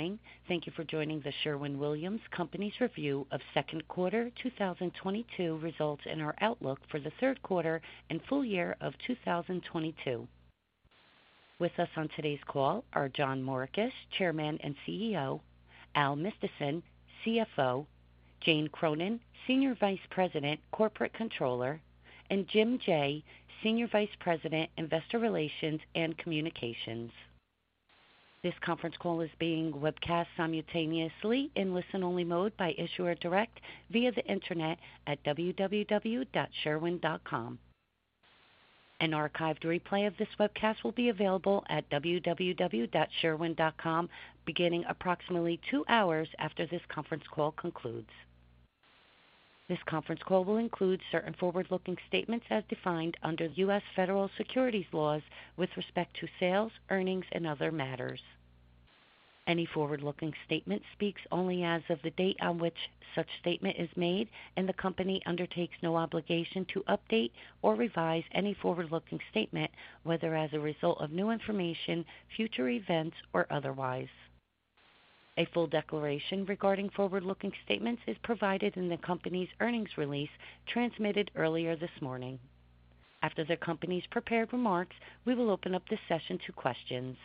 Good morning. Thank you for joining the Sherwin-Williams Company's review of second quarter 2022 results and our outlook for the third quarter and full year of 2022. With us on today's call are John Morikis, Chairman and CEO, Allen Mistysyn, CFO, Jane Cronin, Senior Vice President, Corporate Controller, and Jim Jaye, Senior Vice President, Investor Relations and Communications. This conference call is being webcast simultaneously in listen-only mode by Issuer Direct via the Internet at www.sherwin.com. An archived replay of this webcast will be available at www.sherwin.com beginning approximately two hours after this conference call concludes. This conference call will include certain forward-looking statements as defined under U.S. Federal Securities laws with respect to sales, earnings, and other matters. Any forward-looking statement speaks only as of the date on which such statement is made, and the company undertakes no obligation to update or revise any forward-looking statement, whether as a result of new information, future events, or otherwise. A full declaration regarding forward-looking statements is provided in the company's earnings release transmitted earlier this morning. After the company's prepared remarks, we will open up the session to questions.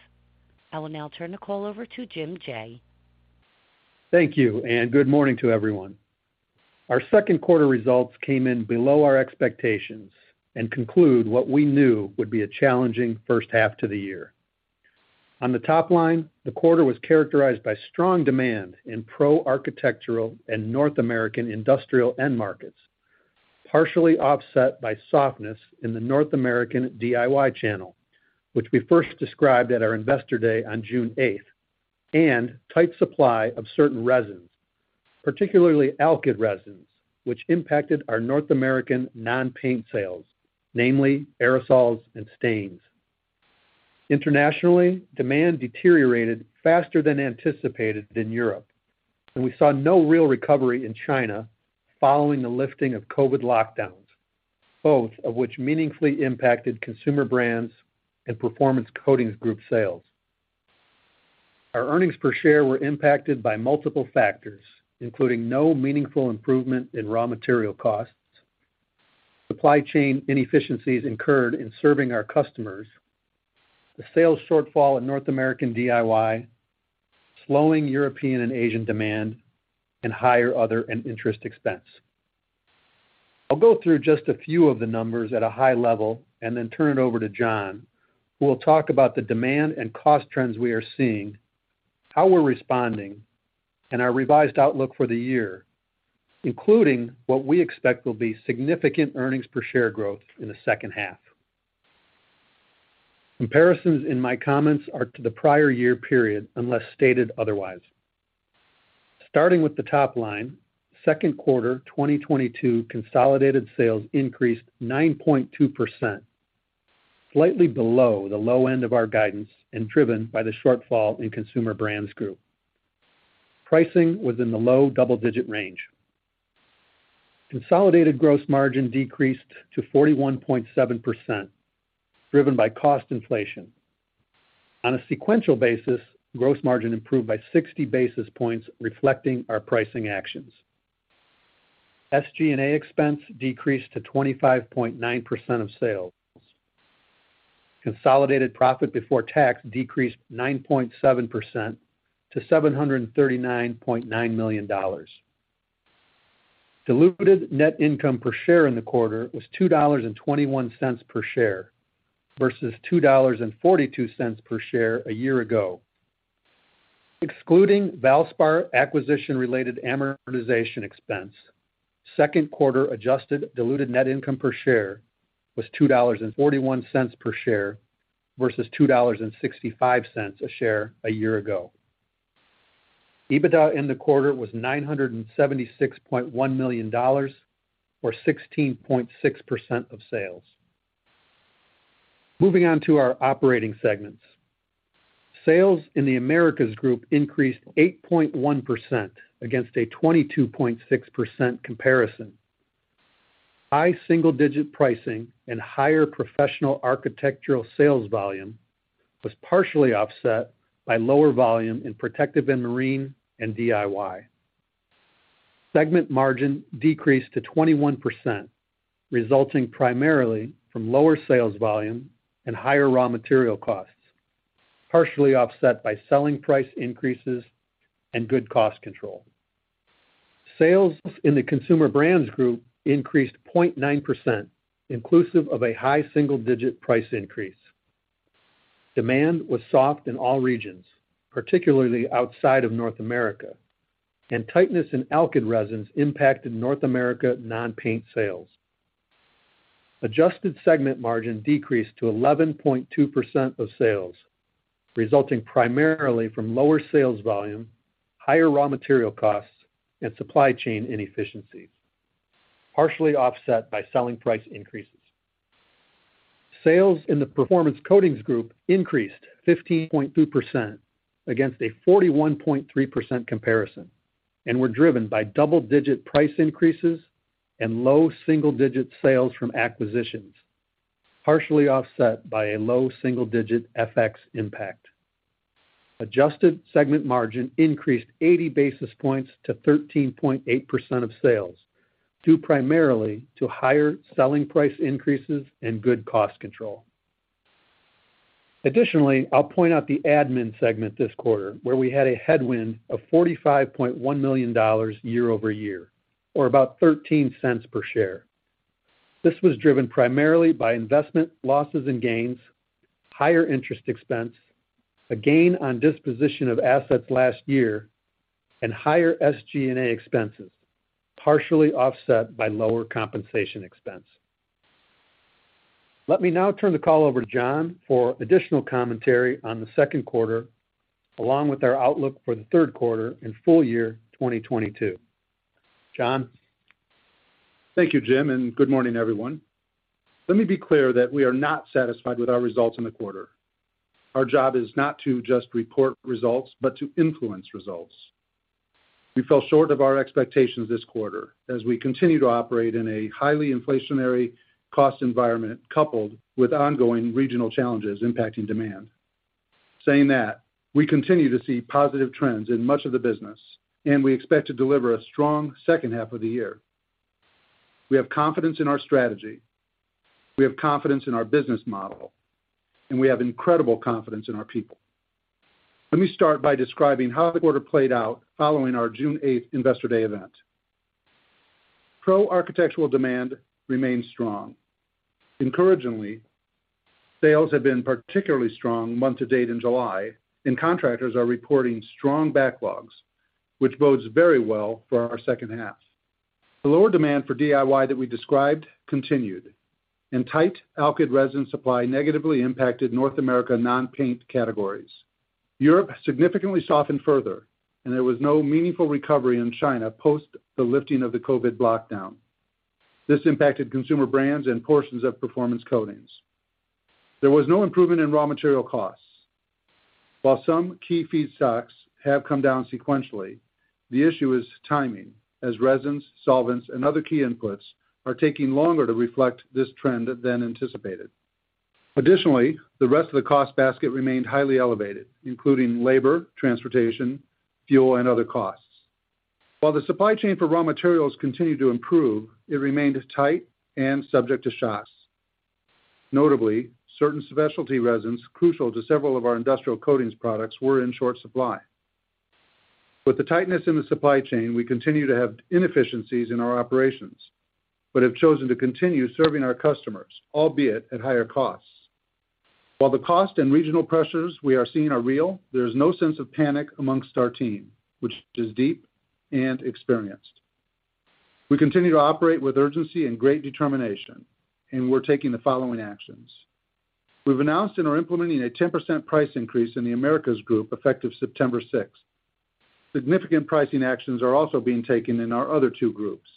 I will now turn the call over to Jim Jaye. Thank you, and good morning to everyone. Our second quarter results came in below our expectations and conclude what we knew would be a challenging first half to the year. On the top line, the quarter was characterized by strong demand in pro-architectural and North American Industrial end markets, partially offset by softness in the North American DIY channel, which we first described at our Investor Day on June 8, and tight supply of certain resins, particularly alkyd resins, which impacted our North American non-paint sales, namely aerosols and stains. Internationally, demand deteriorated faster than anticipated in Europe, and we saw no real recovery in China following the lifting of COVID lockdowns, both of which meaningfully impacted Consumer Brands and Performance Coatings Group sales. Our earnings per share were impacted by multiple factors, including no meaningful improvement in raw material costs, supply chain inefficiencies incurred in serving our customers, the sales shortfall in North American DIY, slowing European and Asian demand, and higher other and interest expense. I'll go through just a few of the numbers at a high level and then turn it over to John, who will talk about the demand and cost trends we are seeing, how we're responding, and our revised outlook for the year, including what we expect will be significant earnings per share growth in the second half. Comparisons in my comments are to the prior year period, unless stated otherwise. Starting with the top line, second quarter 2022 consolidated sales increased 9.2%, slightly below the low end of our guidance and driven by the shortfall in Consumer Brands Group. Pricing was in the low double-digit range. Consolidated gross margin decreased to 41.7%, driven by cost inflation. On a sequential basis, gross margin improved by 60 basis points, reflecting our pricing actions. SG&A expense decreased to 25.9% of sales. Consolidated profit before tax decreased 9.7% to $739.9 million. Diluted net income per share in the quarter was $2.21 per share versus $2.42 per share a year ago. Excluding Valspar acquisition-related amortization expense, second quarter adjusted diluted net income per share was $2.41 per share versus $2.65 a share a year ago. EBITDA in the quarter was $976.1 million or 16.6% of sales. Moving on to our operating segments. Sales in The Americas Group increased 8.1% against a 22.6% comparison. High single-digit pricing and higher professional architectural sales volume was partially offset by lower volume in Protective & Marine and DIY. Segment margin decreased to 21%, resulting primarily from lower sales volume and higher raw material costs, partially offset by selling price increases and good cost control. Sales in the Consumer Brands Group increased 0.9%, inclusive of a high single-digit price increase. Demand was soft in all regions, particularly outside of North America, and tightness in alkyd resins impacted North America non-paint sales. Adjusted segment margin decreased to 11.2% of sales, resulting primarily from lower sales volume, higher raw material costs, and supply chain inefficiencies, partially offset by selling price increases. Sales in the Performance Coatings Group increased 15.2% against a 41.3% comparison and were driven by double-digit price increases and low double- to single-digit sales from acquisitions. Partially offset by a low single-digit FX impact. Adjusted segment margin increased 80 basis points to 13.8% of sales, due primarily to higher selling price increases and good cost control. Additionally, I'll point out the admin segment this quarter, where we had a headwind of $45.1 million year-over-year, or about $0.13 per share. This was driven primarily by investment losses and gains, higher interest expense, a gain on disposition of assets last year, and higher SG&A expenses, partially offset by lower compensation expense. Let me now turn the call over to John for additional commentary on the second quarter, along with our outlook for the third quarter and full year 2022. John. Thank you, Jim, and good morning, everyone. Let me be clear that we are not satisfied with our results in the quarter. Our job is not to just report results, but to influence results. We fell short of our expectations this quarter as we continue to operate in a highly inflationary cost environment coupled with ongoing regional challenges impacting demand. Saying that, we continue to see positive trends in much of the business, and we expect to deliver a strong second half of the year. We have confidence in our strategy, we have confidence in our business model, and we have incredible confidence in our people. Let me start by describing how the quarter played out following our June 8th investor day event. Pro Architectural demand remained strong. Encouragingly, sales have been particularly strong month to date in July, and contractors are reporting strong backlogs, which bodes very well for our second half. The lower demand for DIY that we described continued, and tight alkyd resin supply negatively impacted North America non-paint categories. Europe significantly softened further, and there was no meaningful recovery in China post the lifting of the COVID lockdown. This impacted consumer brands and portions of performance coatings. There was no improvement in raw material costs. While some key feedstocks have come down sequentially, the issue is timing, as resins, solvents, and other key inputs are taking longer to reflect this trend than anticipated. Additionally, the rest of the cost basket remained highly elevated, including labor, transportation, fuel, and other costs. While the supply chain for raw materials continued to improve, it remained tight and subject to shocks. Notably, certain specialty resins crucial to several of our industrial coatings products were in short supply. With the tightness in the supply chain, we continue to have inefficiencies in our operations, but have chosen to continue serving our customers, albeit at higher costs. While the cost and regional pressures we are seeing are real, there is no sense of panic among our team, which is deep and experienced. We continue to operate with urgency and great determination, and we're taking the following actions. We've announced and are implementing a 10% price increase in the Americas Group effective September 6th. Significant pricing actions are also being taken in our other two groups.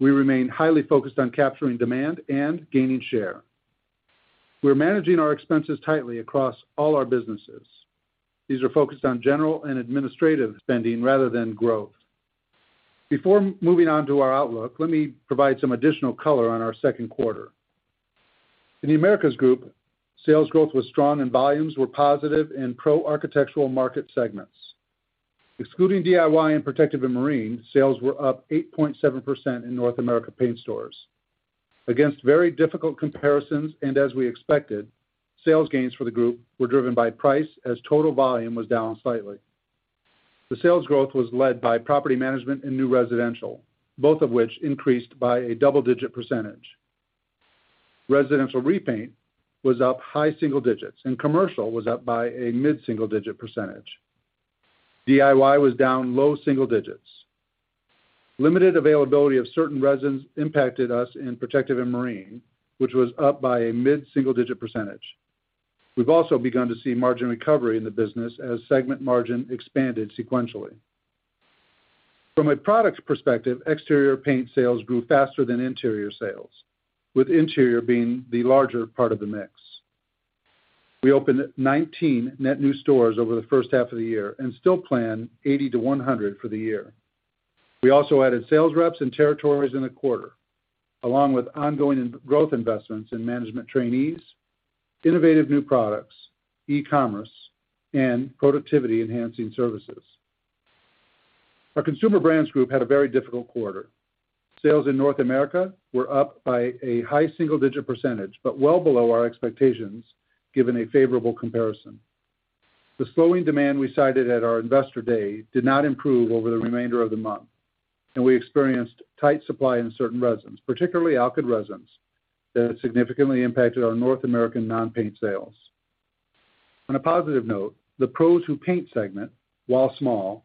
We remain highly focused on capturing demand and gaining share. We're managing our expenses tightly across all our businesses. These are focused on general and administrative spending rather than growth. Before moving on to our outlook, let me provide some additional color on our second quarter. In The Americas Group, sales growth was strong and volumes were positive in Pro Architectural market segments. Excluding DIY and Protective & Marine sales were up 8.7% in North American paint stores. Against very difficult comparisons and as we expected, sales gains for the group were driven by price as total volume was down slightly. The sales growth was led by property management and new residential, both of which increased by a double-digit percentage. Residential repaint was up high single digits, and commercial was up by a mid-single digit percentage. DIY was down low single digits. Limited availability of certain resins impacted us in Protective & Marine, which was up by a mid-single digit percentage. We've also begun to see margin recovery in the business as segment margin expanded sequentially. From a product perspective, exterior paint sales grew faster than interior sales, with interior being the larger part of the mix. We opened 19 net new stores over the first half of the year and still plan 80-100 for the year. We also added sales reps and territories in the quarter, along with ongoing growth investments in management trainees, innovative new products, e-commerce, and productivity enhancing services. Our Consumer Brands Group had a very difficult quarter. Sales in North America were up by a high single-digit percentage, but well below our expectations, given a favorable comparison. The slowing demand we cited at our investor day did not improve over the remainder of the month, and we experienced tight supply in certain resins, particularly alkyd resins, that significantly impacted our North American non-paint sales. On a positive note, the Pros Who Paint segment, while small,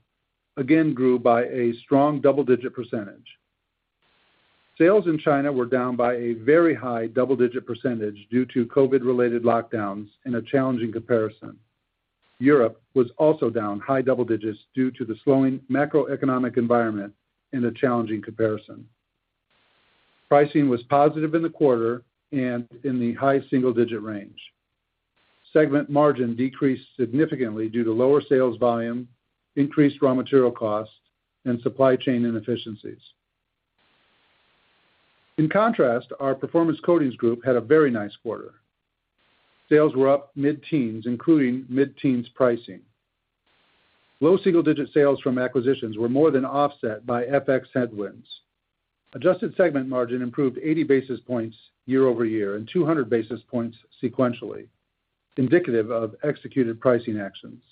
again grew by a strong double-digit percentage. Sales in China were down by a very high double-digit percentage due to COVID-related lockdowns in a challenging comparison. Europe was also down high double digits due to the slowing macroeconomic environment in a challenging comparison. Pricing was positive in the quarter and in the high single-digit range. Segment margin decreased significantly due to lower sales volume, increased raw material costs, and supply chain inefficiencies. In contrast, our Performance Coatings Group had a very nice quarter. Sales were up mid-teens, including mid-teens pricing. Low single-digit sales from acquisitions were more than offset by FX headwinds. Adjusted segment margin improved 80 basis points year-over-year and 200 basis points sequentially, indicative of executed pricing actions.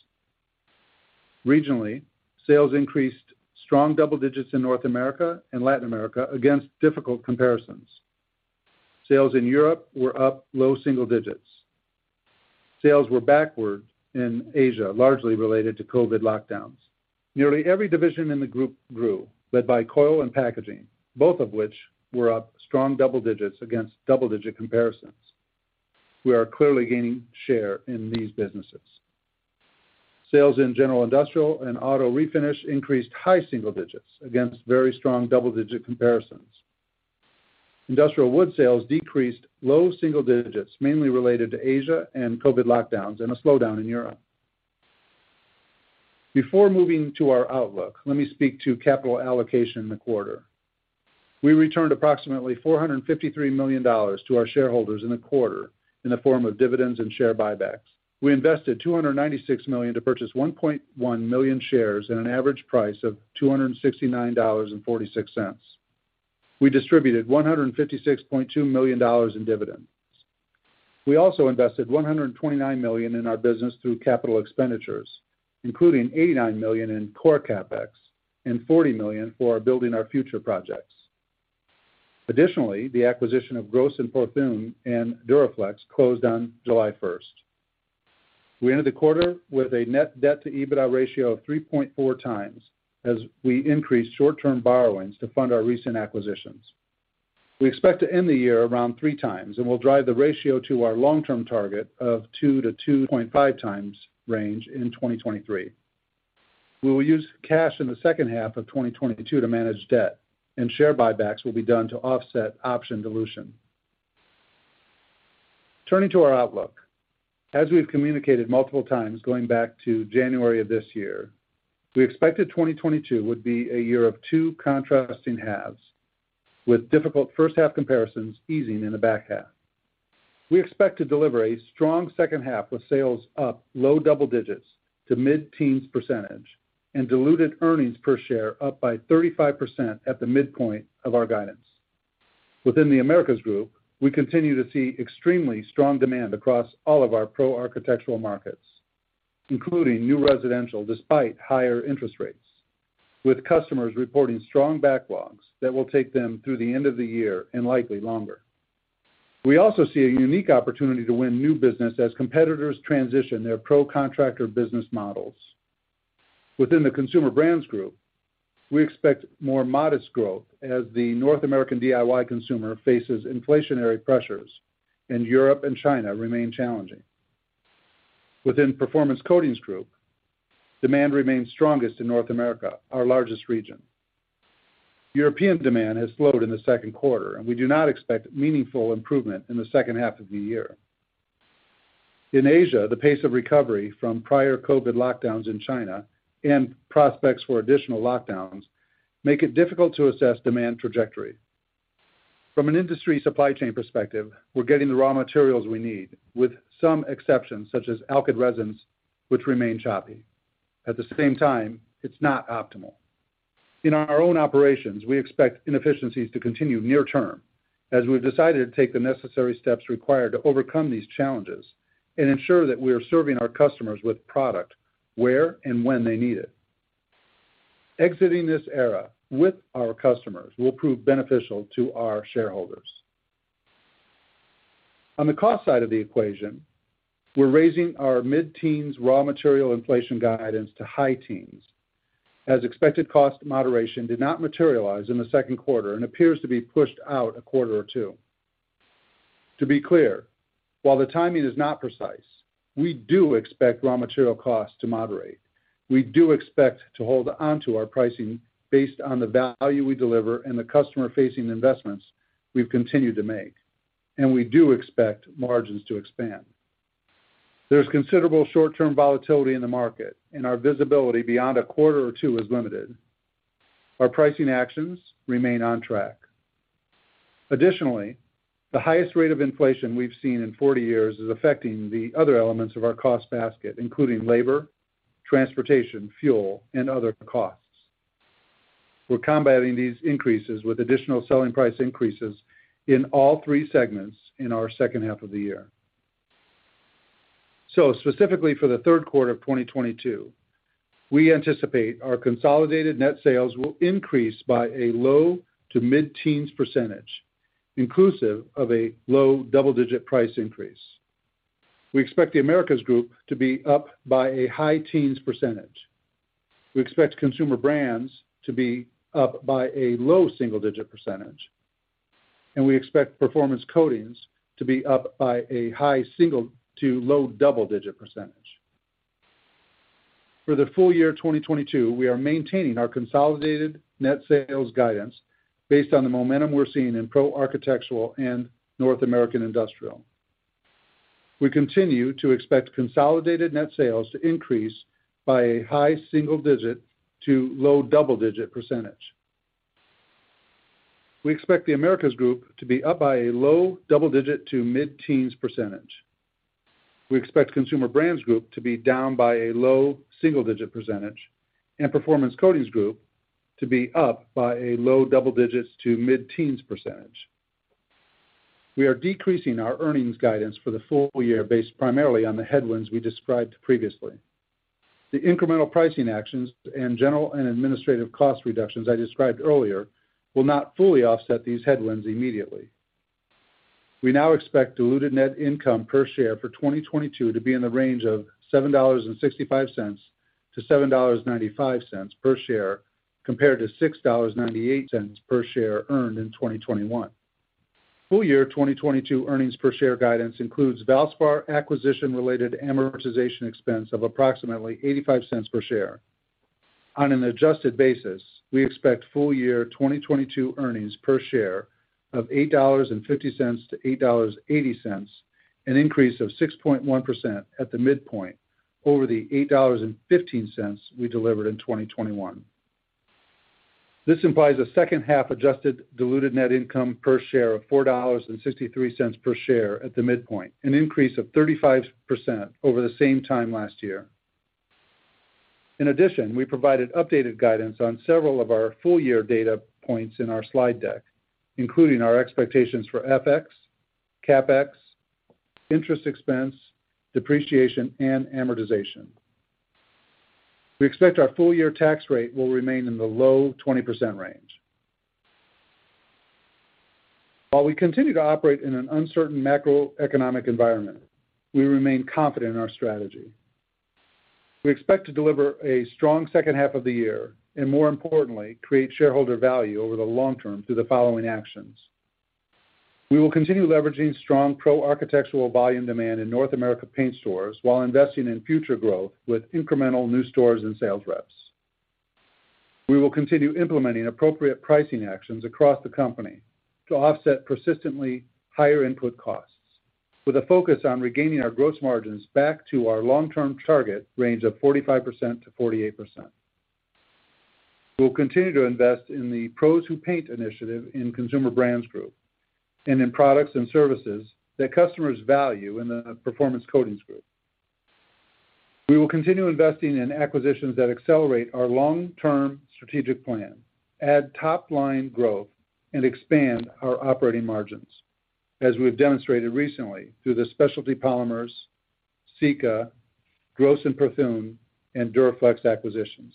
Regionally, sales increased strong double digits in North America and Latin America against difficult comparisons. Sales in Europe were up low single digits. Sales were backward in Asia, largely related to COVID lockdowns. Nearly every division in the group grew, led by coil and packaging, both of which were up strong double digits against double-digit comparisons. We are clearly gaining share in these businesses. Sales in general industrial and auto refinish increased high single digits against very strong double-digit comparisons. Industrial wood sales decreased low single digits, mainly related to Asia and COVID lockdowns and a slowdown in Europe. Before moving to our outlook, let me speak to capital allocation in the quarter. We returned approximately $453 million to our shareholders in the quarter in the form of dividends and share buybacks. We invested $296 million to purchase 1.1 million shares at an average price of $269.46. We distributed $156.2 million in dividends. We also invested $129 million in our business through capital expenditures, including $89 million in core CapEx and $40 million for our Building Our Future projects. Additionally, the acquisition of Gross & Perthun and Dur-A-Flex closed on July 1st. We ended the quarter with a net debt-to-EBITDA ratio of 3.4 times as we increased short-term borrowings to fund our recent acquisitions. We expect to end the year around 3 times, and we'll drive the ratio to our long-term target of 2-2.5 times range in 2023. We will use cash in the second half of 2022 to manage debt and share buybacks will be done to offset option dilution. Turning to our outlook. As we've communicated multiple times going back to January of this year, we expected 2022 would be a year of two contrasting halves, with difficult first half comparisons easing in the back half. We expect to deliver a strong second half with sales up low double digits to mid-teens percentage and diluted earnings per share up by 35% at the midpoint of our guidance. Within The Americas Group, we continue to see extremely strong demand across all of our Pro Architectural markets, including new residential, despite higher interest rates, with customers reporting strong backlogs that will take them through the end of the year and likely longer. We also see a unique opportunity to win new business as competitors transition their pro contractor business models. Within the Consumer Brands Group, we expect more modest growth as the North American DIY consumer faces inflationary pressures, and Europe and China remain challenging. Within Performance Coatings Group, demand remains strongest in North America, our largest region. European demand has slowed in the second quarter, and we do not expect meaningful improvement in the second half of the year. In Asia, the pace of recovery from prior COVID lockdowns in China and prospects for additional lockdowns make it difficult to assess demand trajectory. From an industry supply chain perspective, we're getting the raw materials we need, with some exceptions, such as alkyd resins, which remain choppy. At the same time, it's not optimal. In our own operations, we expect inefficiencies to continue near term as we've decided to take the necessary steps required to overcome these challenges and ensure that we are serving our customers with product where and when they need it. Exiting this era with our customers will prove beneficial to our shareholders. On the cost side of the equation, we're raising our mid-teens raw material inflation guidance to high-teens, as expected cost moderation did not materialize in the second quarter and appears to be pushed out a quarter or two. To be clear, while the timing is not precise, we do expect raw material costs to moderate. We do expect to hold onto our pricing based on the value we deliver and the customer-facing investments we've continued to make, and we do expect margins to expand. There's considerable short-term volatility in the market, and our visibility beyond a quarter or two is limited. Our pricing actions remain on track. Additionally, the highest rate of inflation we've seen in 40 years is affecting the other elements of our cost basket, including labor, transportation, fuel, and other costs. We're combating these increases with additional selling price increases in all three segments in our second half of the year. Specifically for the third quarter of 2022, we anticipate our consolidated net sales will increase by a low to mid-teens percentage, inclusive of a low double-digit price increase. We expect The Americas Group to be up by a high teens percentage. We expect Consumer Brands to be up by a low single-digit percentage, and we expect Performance Coatings to be up by a high single- to low double-digit percentage. For the full year 2022, we are maintaining our consolidated net sales guidance based on the momentum we're seeing in Pro Architectural and North American Industrial. We continue to expect consolidated net sales to increase by a high single-digit to low double-digit percentage. We expect the Americas Group to be up by a low double-digit to mid-teens percentage. We expect Consumer Brands Group to be down by a low single-digit percentage and Performance Coatings Group to be up by a low double-digits to mid-teens percentage. We are decreasing our earnings guidance for the full year based primarily on the headwinds we described previously. The incremental pricing actions and general and administrative cost reductions I described earlier will not fully offset these headwinds immediately. We now expect diluted net income per share for 2022 to be in the range of $7.65-$7.95 per share, compared to $6.98 per share earned in 2021. Full year 2022 earnings per share guidance includes Valspar acquisition related amortization expense of approximately $0.85 per share. On an adjusted basis, we expect full year 2022 earnings per share of $8.50-$8.80, an increase of 6.1% at the midpoint over the $8.15 we delivered in 2021. This implies a second half adjusted diluted net income per share of $4.63 per share at the midpoint, an increase of 35% over the same time last year. In addition, we provided updated guidance on several of our full year data points in our slide deck, including our expectations for FX, CapEx, interest expense, depreciation and amortization. We expect our full year tax rate will remain in the low 20% range. While we continue to operate in an uncertain macroeconomic environment, we remain confident in our strategy. We expect to deliver a strong second half of the year and more importantly, create shareholder value over the long term through the following actions. We will continue leveraging strong Pro Architectural volume demand in North America paint stores while investing in future growth with incremental new stores and sales reps. We will continue implementing appropriate pricing actions across the company to offset persistently higher input costs with a focus on regaining our gross margins back to our long-term target range of 45%-48%. We'll continue to invest in the Pros Who Paint initiative in Consumer Brands Group and in products and services that customers value in the Performance Coatings Group. We will continue investing in acquisitions that accelerate our long-term strategic plan, add top line growth, and expand our operating margins, as we've demonstrated recently through the Specialty Polymers, Sika, Gross & Perthun, and Dur-A-Flex acquisitions.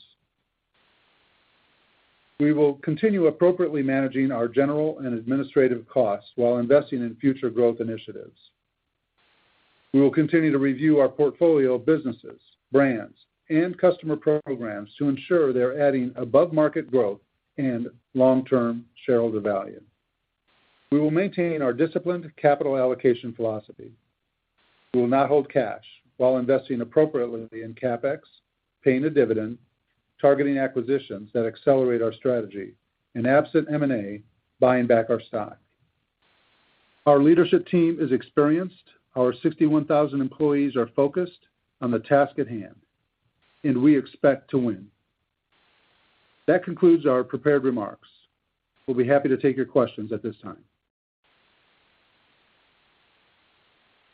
We will continue appropriately managing our general and administrative costs while investing in future growth initiatives. We will continue to review our portfolio of businesses, brands, and customer programs to ensure they're adding above market growth and long-term shareholder value. We will maintain our disciplined capital allocation philosophy. We will not hold cash while investing appropriately in CapEx, paying a dividend, targeting acquisitions that accelerate our strategy, and absent M&A, buying back our stock. Our leadership team is experienced. Our 61,000 employees are focused on the task at hand, and we expect to win. That concludes our prepared remarks. We'll be happy to take your questions at this time.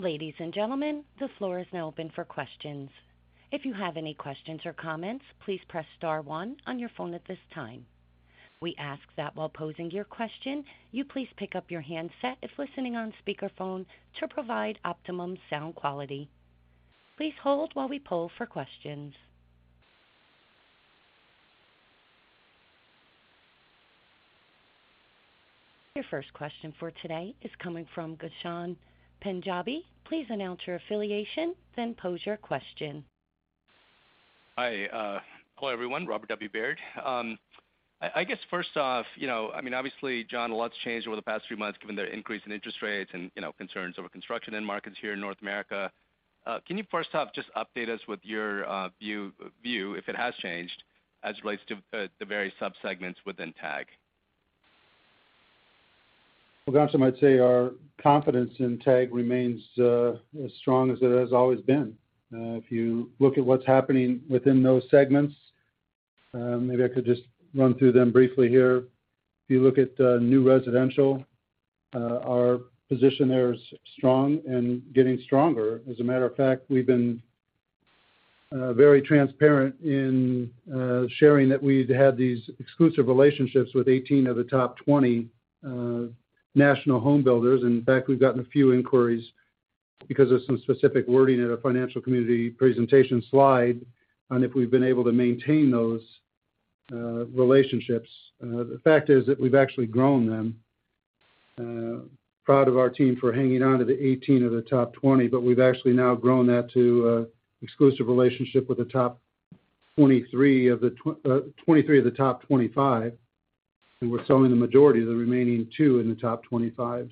Ladies and gentlemen, the floor is now open for questions. If you have any questions or comments, please press star one on your phone at this time. We ask that while posing your question, you please pick up your handset if listening on speakerphone to provide optimum sound quality. Please hold while we poll for questions. Your first question for today is coming from Ghansham Panjabi. Please announce your affiliation, then pose your question. Hi. Hello, everyone. Robert W. Baird. I guess first off, you know, I mean, obviously, John, a lot's changed over the past few months given the increase in interest rates and, you know, concerns over construction end markets here in North America. Can you first off just update us with your view, if it has changed, as it relates to the various subsegments within TAG? Well, Ghansham, I'd say our confidence in TAG remains as strong as it has always been. If you look at what's happening within those segments, maybe I could just run through them briefly here. If you look at new residential, our position there is strong and getting stronger. As a matter of fact, we've been very transparent in sharing that we've had these exclusive relationships with 18 of the top 20 national home builders. In fact, we've gotten a few inquiries because of some specific wording in a financial community presentation slide on if we've been able to maintain those relationships. The fact is that we've actually grown them. Proud of our team for hanging on to the 18 of the top 20, but we've actually now grown that to an exclusive relationship with the top 23 of the top 25. We're selling the majority of the remaining 2 in the top 25.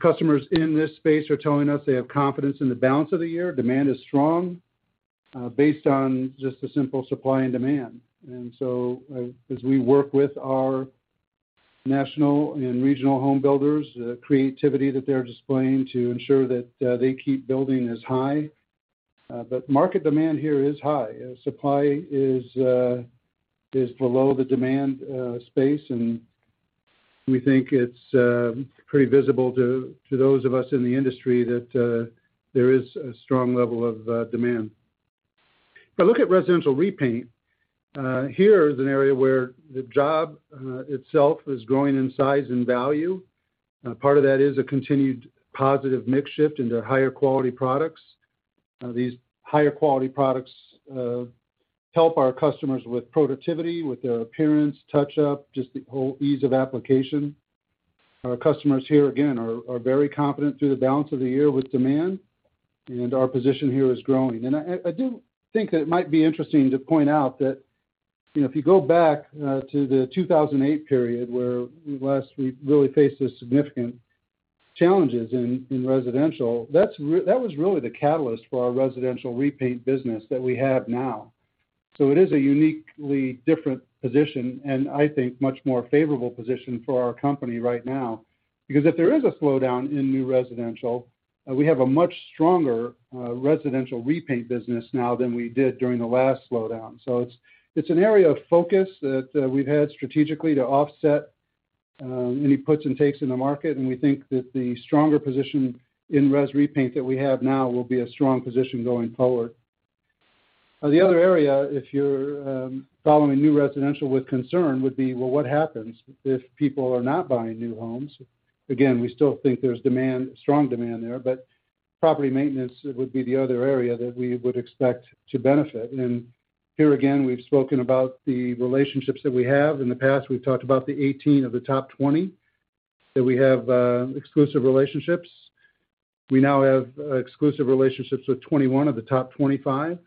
Customers in this space are telling us they have confidence in the balance of the year. Demand is strong, based on just the simple supply and demand. As we work with our national and regional home builders, the creativity that they're displaying to ensure that they keep building is high. Market demand here is high. Supply is below the demand space, and we think it's pretty visible to those of us in the industry that there is a strong level of demand. If I look at residential repaint, here is an area where the job itself is growing in size and value. Part of that is a continued positive mix shift into higher quality products. These higher quality products help our customers with productivity, with their appearance, touch-up, just the whole ease of application. Our customers here, again, are very confident through the balance of the year with demand, and our position here is growing. I do think that it might be interesting to point out that, you know, if you go back to the 2008 period where last we really faced the significant challenges in residential, that was really the catalyst for our residential repaint business that we have now. It is a uniquely different position and I think much more favorable position for our company right now. Because if there is a slowdown in new residential, we have a much stronger residential repaint business now than we did during the last slowdown. It's an area of focus that we've had strategically to offset any puts and takes in the market, and we think that the stronger position in res repaint that we have now will be a strong position going forward. The other area, if you're following new residential with concern, would be, well, what happens if people are not buying new homes? Again, we still think there's demand, strong demand there, but property maintenance would be the other area that we would expect to benefit. Here again, we've spoken about the relationships that we have. In the past, we've talked about the 18 of the top 20 that we have, exclusive relationships. We now have exclusive relationships with 21 of the top 25.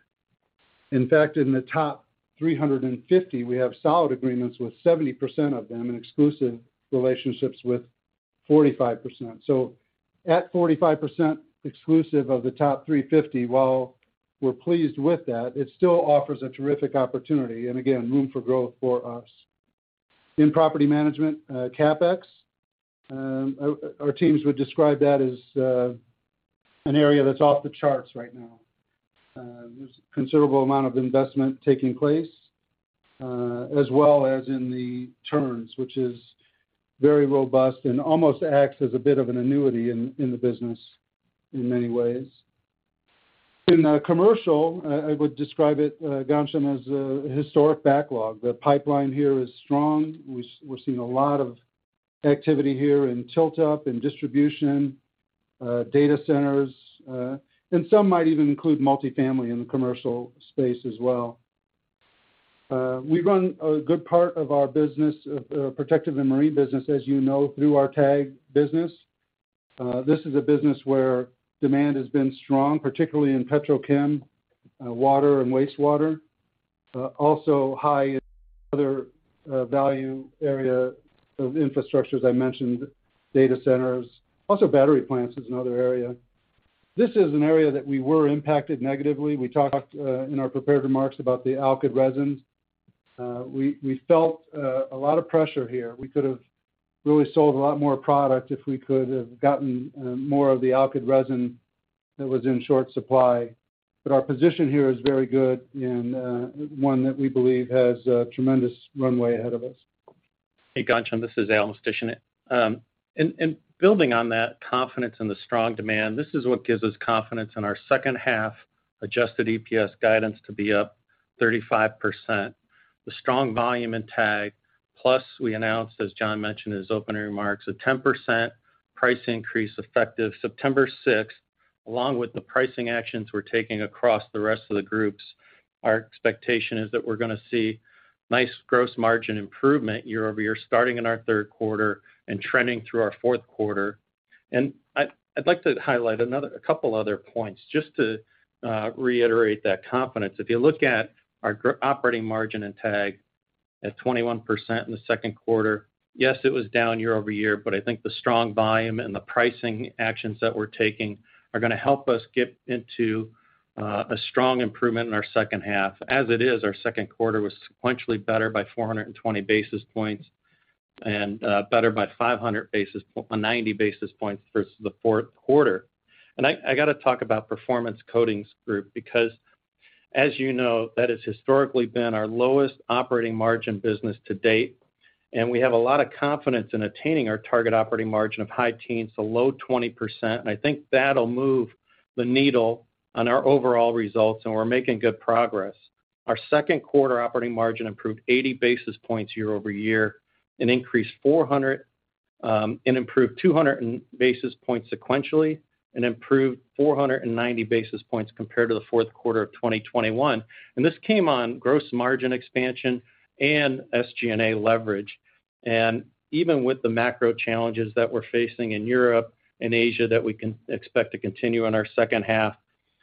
In fact, in the top 350, we have solid agreements with 70% of them and exclusive relationships with 45%. At 45% exclusive of the top 350, while we're pleased with that, it still offers a terrific opportunity and again, room for growth for us. In property management, CapEx, our teams would describe that as an area that's off the charts right now. There's considerable amount of investment taking place, as well as in the turns, which is very robust and almost acts as a bit of an annuity in the business in many ways. In commercial, I would describe it, Ghansham, as a historic backlog. The pipeline here is strong. We're seeing a lot of activity here in tilt-up, in distribution, data centers, and some might even include multi-family in the commercial space as well. We run a good part of our business, Protective & Marine business, as you know, through our TAG business. This is a business where demand has been strong, particularly in petrochem, water and wastewater. Also higher value area of infrastructure, as I mentioned, data centers. Also battery plants is another area. This is an area that we were impacted negatively. We talked in our prepared remarks about the alkyd resins. We felt a lot of pressure here. We could have really sold a lot more product if we could have gotten more of the alkyd resin that was in short supply. Our position here is very good and one that we believe has tremendous runway ahead of us. Hey, Ghansham, this is Al Mistysyn. In building on that confidence in the strong demand, this is what gives us confidence in our second half adjusted EPS guidance to be up 35%. The strong volume in TAG, plus we announced, as John mentioned in his opening remarks, a 10% price increase effective September 6th, along with the pricing actions we're taking across the rest of the groups. Our expectation is that we're gonna see nice gross margin improvement year-over-year, starting in our third quarter and trending through our fourth quarter. I'd like to highlight a couple other points just to reiterate that confidence. If you look at our operating margin in TAG at 21% in the second quarter, yes, it was down year-over-year, but I think the strong volume and the pricing actions that we're taking are gonna help us get into a strong improvement in our second half. Our second quarter was sequentially better by 420 basis points and better by 590 basis points versus the fourth quarter. I gotta talk about Performance Coatings Group because as you know, that has historically been our lowest operating margin business to date, and we have a lot of confidence in attaining our target operating margin of high teens to low 20%. I think that'll move the needle on our overall results, and we're making good progress. Our second quarter operating margin improved 80 basis points year-over-year and increased 400, and improved 200 basis points sequentially and improved 490 basis points compared to the fourth quarter of 2021. This came on gross margin expansion and SG&A leverage. Even with the macro challenges that we're facing in Europe and Asia that we can expect to continue in our second half,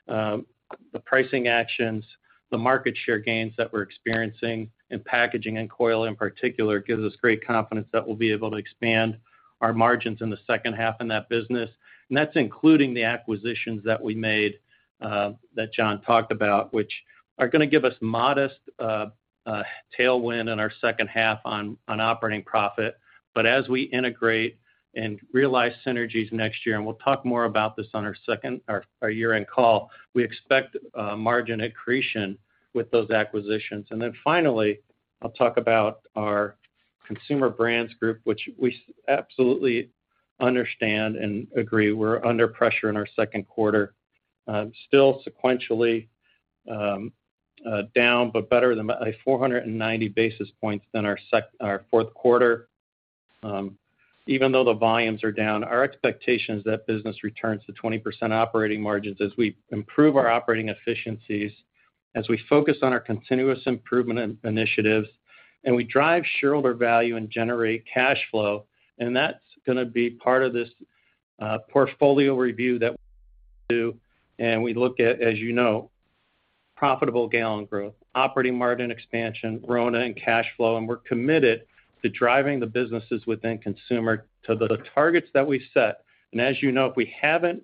the pricing actions, the market share gains that we're experiencing in packaging and coil in particular gives us great confidence that we'll be able to expand our margins in the second half in that business. That's including the acquisitions that we made, that John talked about, which are gonna give us modest tailwind in our second half on operating profit. As we integrate and realize synergies next year, and we'll talk more about this on our year-end call, we expect margin accretion with those acquisitions. Then finally, I'll talk about our Consumer Brands Group, which we absolutely understand and agree we're under pressure in our second quarter. Still sequentially down, but better than 490 basis points than our fourth quarter. Even though the volumes are down, our expectation is that business returns to 20% operating margins as we improve our operating efficiencies, as we focus on our continuous improvement initiatives, and we drive shareholder value and generate cash flow. That's gonna be part of this portfolio review that we do, and we look at, as you know, profitable gallon growth, operating margin expansion, RONA, and cash flow. We're committed to driving the businesses within consumer to the targets that we set. As you know, if we haven't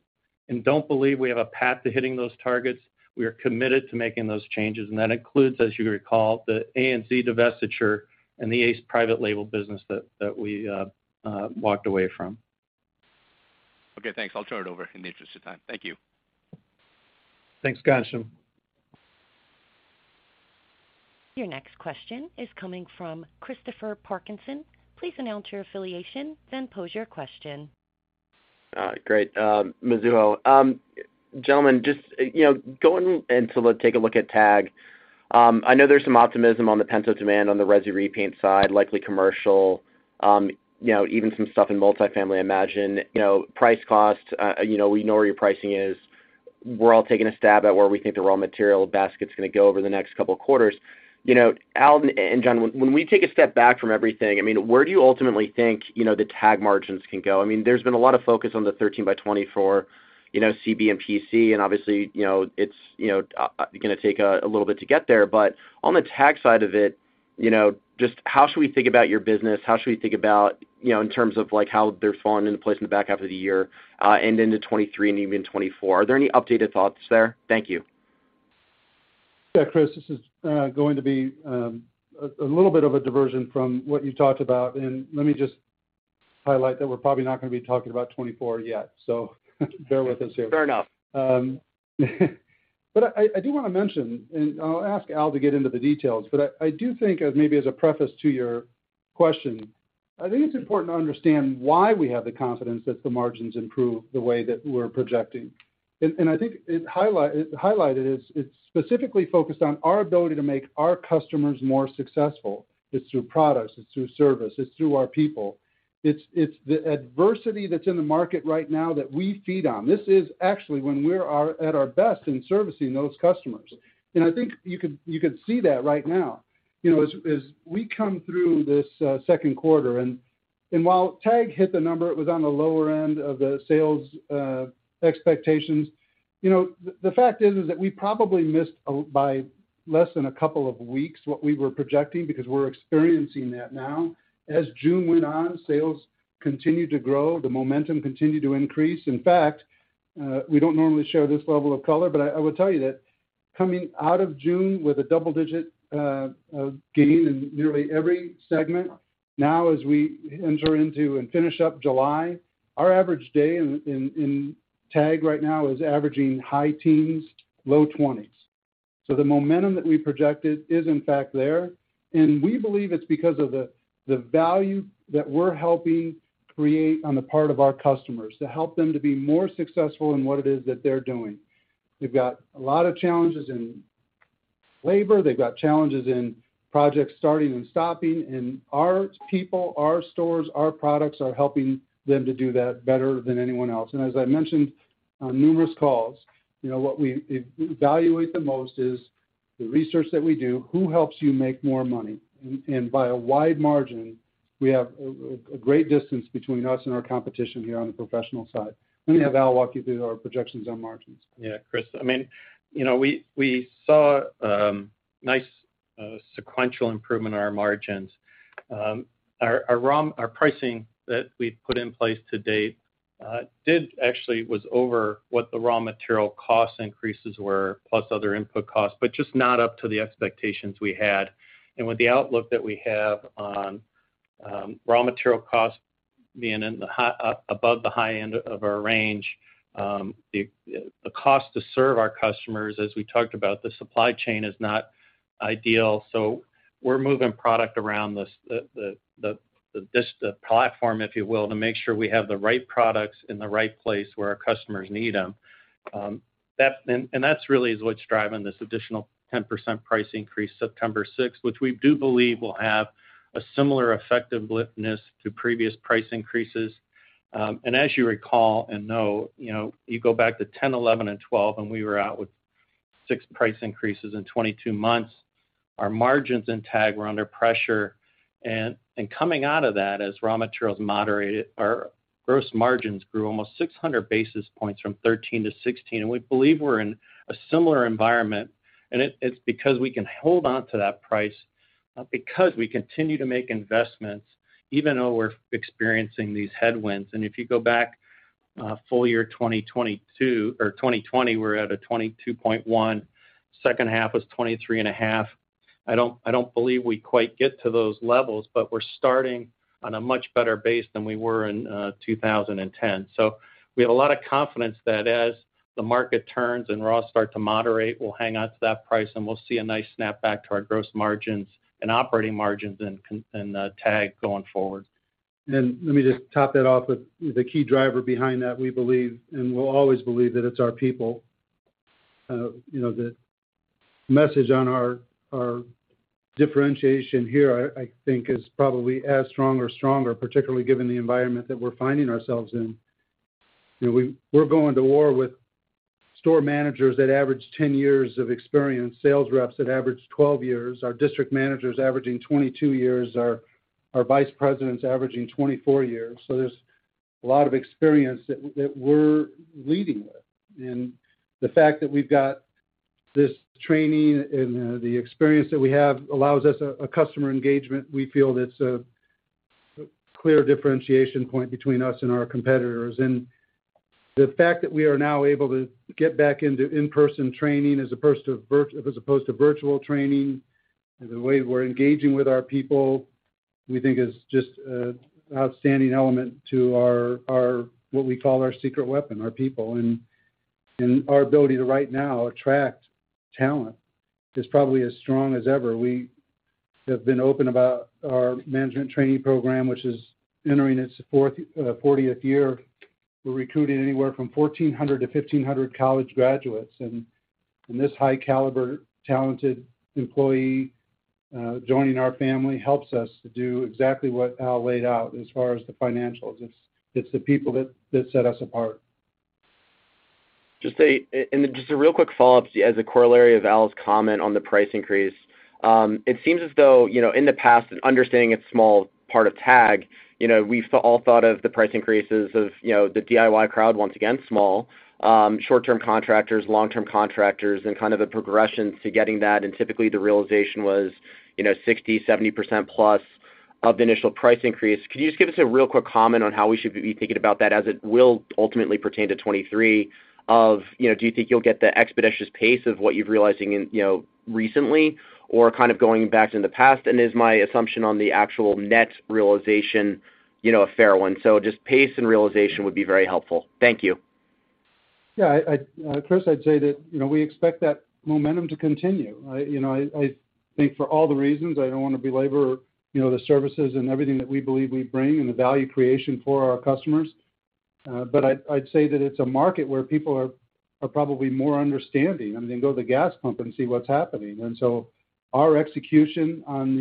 and don't believe we have a path to hitting those targets, we are committed to making those changes. That includes, as you recall, the ANZ divestiture and the ACE private label business that we walked away from. Okay, thanks. I'll turn it over in the interest of time. Thank you. Thanks, Ghansham. Your next question is coming from Christopher Parkinson. Please announce your affiliation, then pose your question. Great. Mizuho. Gentlemen, just you know, going to take a look at TAG. I know there's some optimism on the pent-up demand on the resi repaint side, likely commercial, you know, even some stuff in multifamily, I imagine. You know, price cost, you know, we know where your pricing is. We're all taking a stab at where we think the raw material basket is gonna go over the next couple of quarters. You know, Al and John, when we take a step back from everything, I mean, where do you ultimately think, you know, the TAG margins can go? I mean, there's been a lot of focus on the 13 by 24, you know, CB and PC, and obviously, you know, it's you know gonna take a little bit to get there. On the TAG side of it, you know, just how should we think about your business? How should we think about, you know, in terms of, like, how they're falling into place in the back half of the year, and into 2023 and even 2024? Are there any updated thoughts there? Thank you. Yeah, Chris, this is going to be a little bit of a diversion from what you talked about. Let me just highlight that we're probably not gonna be talking about 2024 yet. Bear with us here. Fair enough. I do wanna mention, and I'll ask Al to get into the details, but I do think as maybe as a preface to your question, I think it's important to understand why we have the confidence that the margins improve the way that we're projecting. I think it highlighted it. It's specifically focused on our ability to make our customers more successful. It's through products, it's through service, it's through our people. It's the adversity that's in the market right now that we feed on. This is actually when we are at our best in servicing those customers. I think you could see that right now. You know, as we come through this second quarter, and while TAG hit the number, it was on the lower end of the sales expectations. You know, the fact is that we probably missed by less than a couple of weeks what we were projecting because we're experiencing that now. As June went on, sales continued to grow, the momentum continued to increase. In fact, we don't normally share this level of color, but I will tell you that coming out of June with a double-digit gain in nearly every segment, now as we enter into and finish up July, our average day in TAG right now is averaging high teens, low twenties. So the momentum that we projected is in fact there, and we believe it's because of the value that we're helping create on the part of our customers to help them to be more successful in what it is that they're doing. They've got a lot of challenges in labor. They've got challenges in projects starting and stopping. Our people, our stores, our products are helping them to do that better than anyone else. As I mentioned on numerous calls, you know, what we value the most is the research that we do, who helps you make more money. By a wide margin, we have a great distance between us and our competition here on the professional side. Let me have Al walk you through our projections on margins. Yeah, Chris. I mean, you know, we saw nice sequential improvement in our margins. Our pricing that we've put in place to date did actually was over what the raw material cost increases were, plus other input costs, but just not up to the expectations we had. With the outlook that we have on raw material costs being above the high end of our range, the cost to serve our customers, as we talked about, the supply chain is not ideal, so we're moving product around the platform, if you will, to make sure we have the right products in the right place where our customers need them. That's really what's driving this additional 10% price increase September 6, which we do believe will have a similar effectiveness to previous price increases. As you recall and know, you know, you go back to 2010, 2011, and 2012, and we were out with six price increases in 22 months. Our margins in TAG were under pressure and coming out of that as raw materials moderated, our gross margins grew almost 600 basis points from 13% to 16%. We believe we're in a similar environment, and it's because we can hold on to that price, because we continue to make investments even though we're experiencing these headwinds. If you go back, full year 2022 or 2020, we're at a 22.1%. Second half was 23.5%. I don't believe we quite get to those levels, but we're starting on a much better base than we were in 2010. We have a lot of confidence that as the market turns and raws start to moderate, we'll hang on to that price, and we'll see a nice snapback to our gross margins and operating margins in TAG going forward. Let me just top that off with the key driver behind that, we believe, and we'll always believe that it's our people. You know, the message on our differentiation here, I think is probably as strong or stronger, particularly given the environment that we're finding ourselves in. You know, we're going to war with store managers that average 10 years of experience, sales reps that average 12 years. Our district managers averaging 22 years. Our vice presidents averaging 24 years. So there's a lot of experience that we're leading with. The fact that we've got this training and the experience that we have allows us a customer engagement, we feel it's a clear differentiation point between us and our competitors. The fact that we are now able to get back into in-person training as opposed to virtual training, the way we're engaging with our people, we think is just outstanding element to our what we call our secret weapon, our people. Our ability to right now attract talent is probably as strong as ever. We have been open about our management training program, which is entering its 40th year. We're recruiting anywhere from 1400 to 1500 college graduates, and this high caliber talented employee joining our family helps us to do exactly what Al laid out as far as the financials. It's the people that set us apart. Just a real quick follow-up as a corollary of Al's comment on the price increase. It seems as though, you know, in the past and understanding it's small part of TAG, you know, we've all thought of the price increases of, you know, the DIY crowd once again small, short-term contractors, long-term contractors, and kind of a progression to getting that. Typically, the realization was, you know, 60%-70% plus of the initial price increase. Could you just give us a real quick comment on how we should be thinking about that as it will ultimately pertain to 2023, you know, do you think you'll get the expeditious pace of what you're realizing in, you know, recently or kind of going back in the past? Is my assumption on the actual net realization, you know, a fair one? Just pace and realization would be very helpful. Thank you. Yeah, first, I'd say that, you know, we expect that momentum to continue. You know, I think for all the reasons I don't wanna belabor, you know, the services and everything that we believe we bring and the value creation for our customers. I'd say that it's a market where people are probably more understanding. I mean, go to the gas pump and see what's happening. Our execution on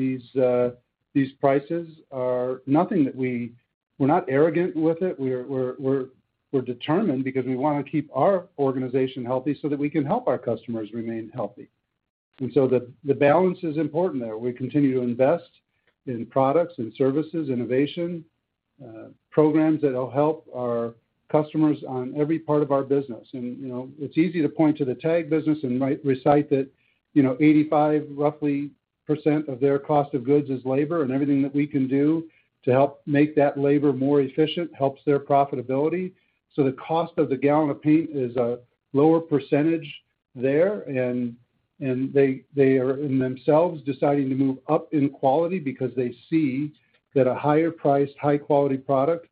these prices are nothing that we. We're not arrogant with it. We're determined because we wanna keep our organization healthy so that we can help our customers remain healthy. The balance is important there. We continue to invest in products and services, innovation, programs that'll help our customers on every part of our business. You know, it's easy to point to the TAG business and might cite that, you know, roughly 85% of their cost of goods is labor and everything that we can do to help make that labor more efficient helps their profitability. The cost of the gallon of paint is a lower percentage there. They are in themselves deciding to move up in quality because they see that a higher priced, high quality product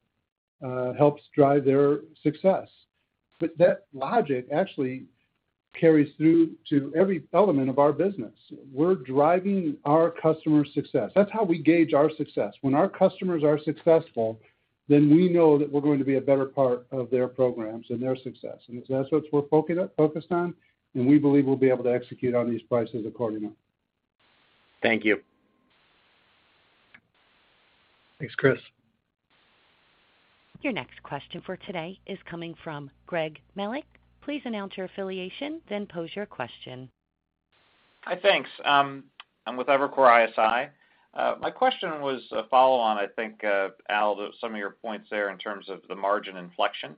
helps drive their success. That logic actually carries through to every element of our business. We're driving our customer success. That's how we gauge our success. When our customers are successful, then we know that we're going to be a better part of their programs and their success. That's what we're focused on, and we believe we'll be able to execute on these prices accordingly. Thank you. Thanks, Chris. Your next question for today is coming from Greg Melich. Please announce your affiliation, then pose your question. Hi, thanks. I'm with Evercore ISI. My question was a follow on, I think, Al, to some of your points there in terms of the margin inflection.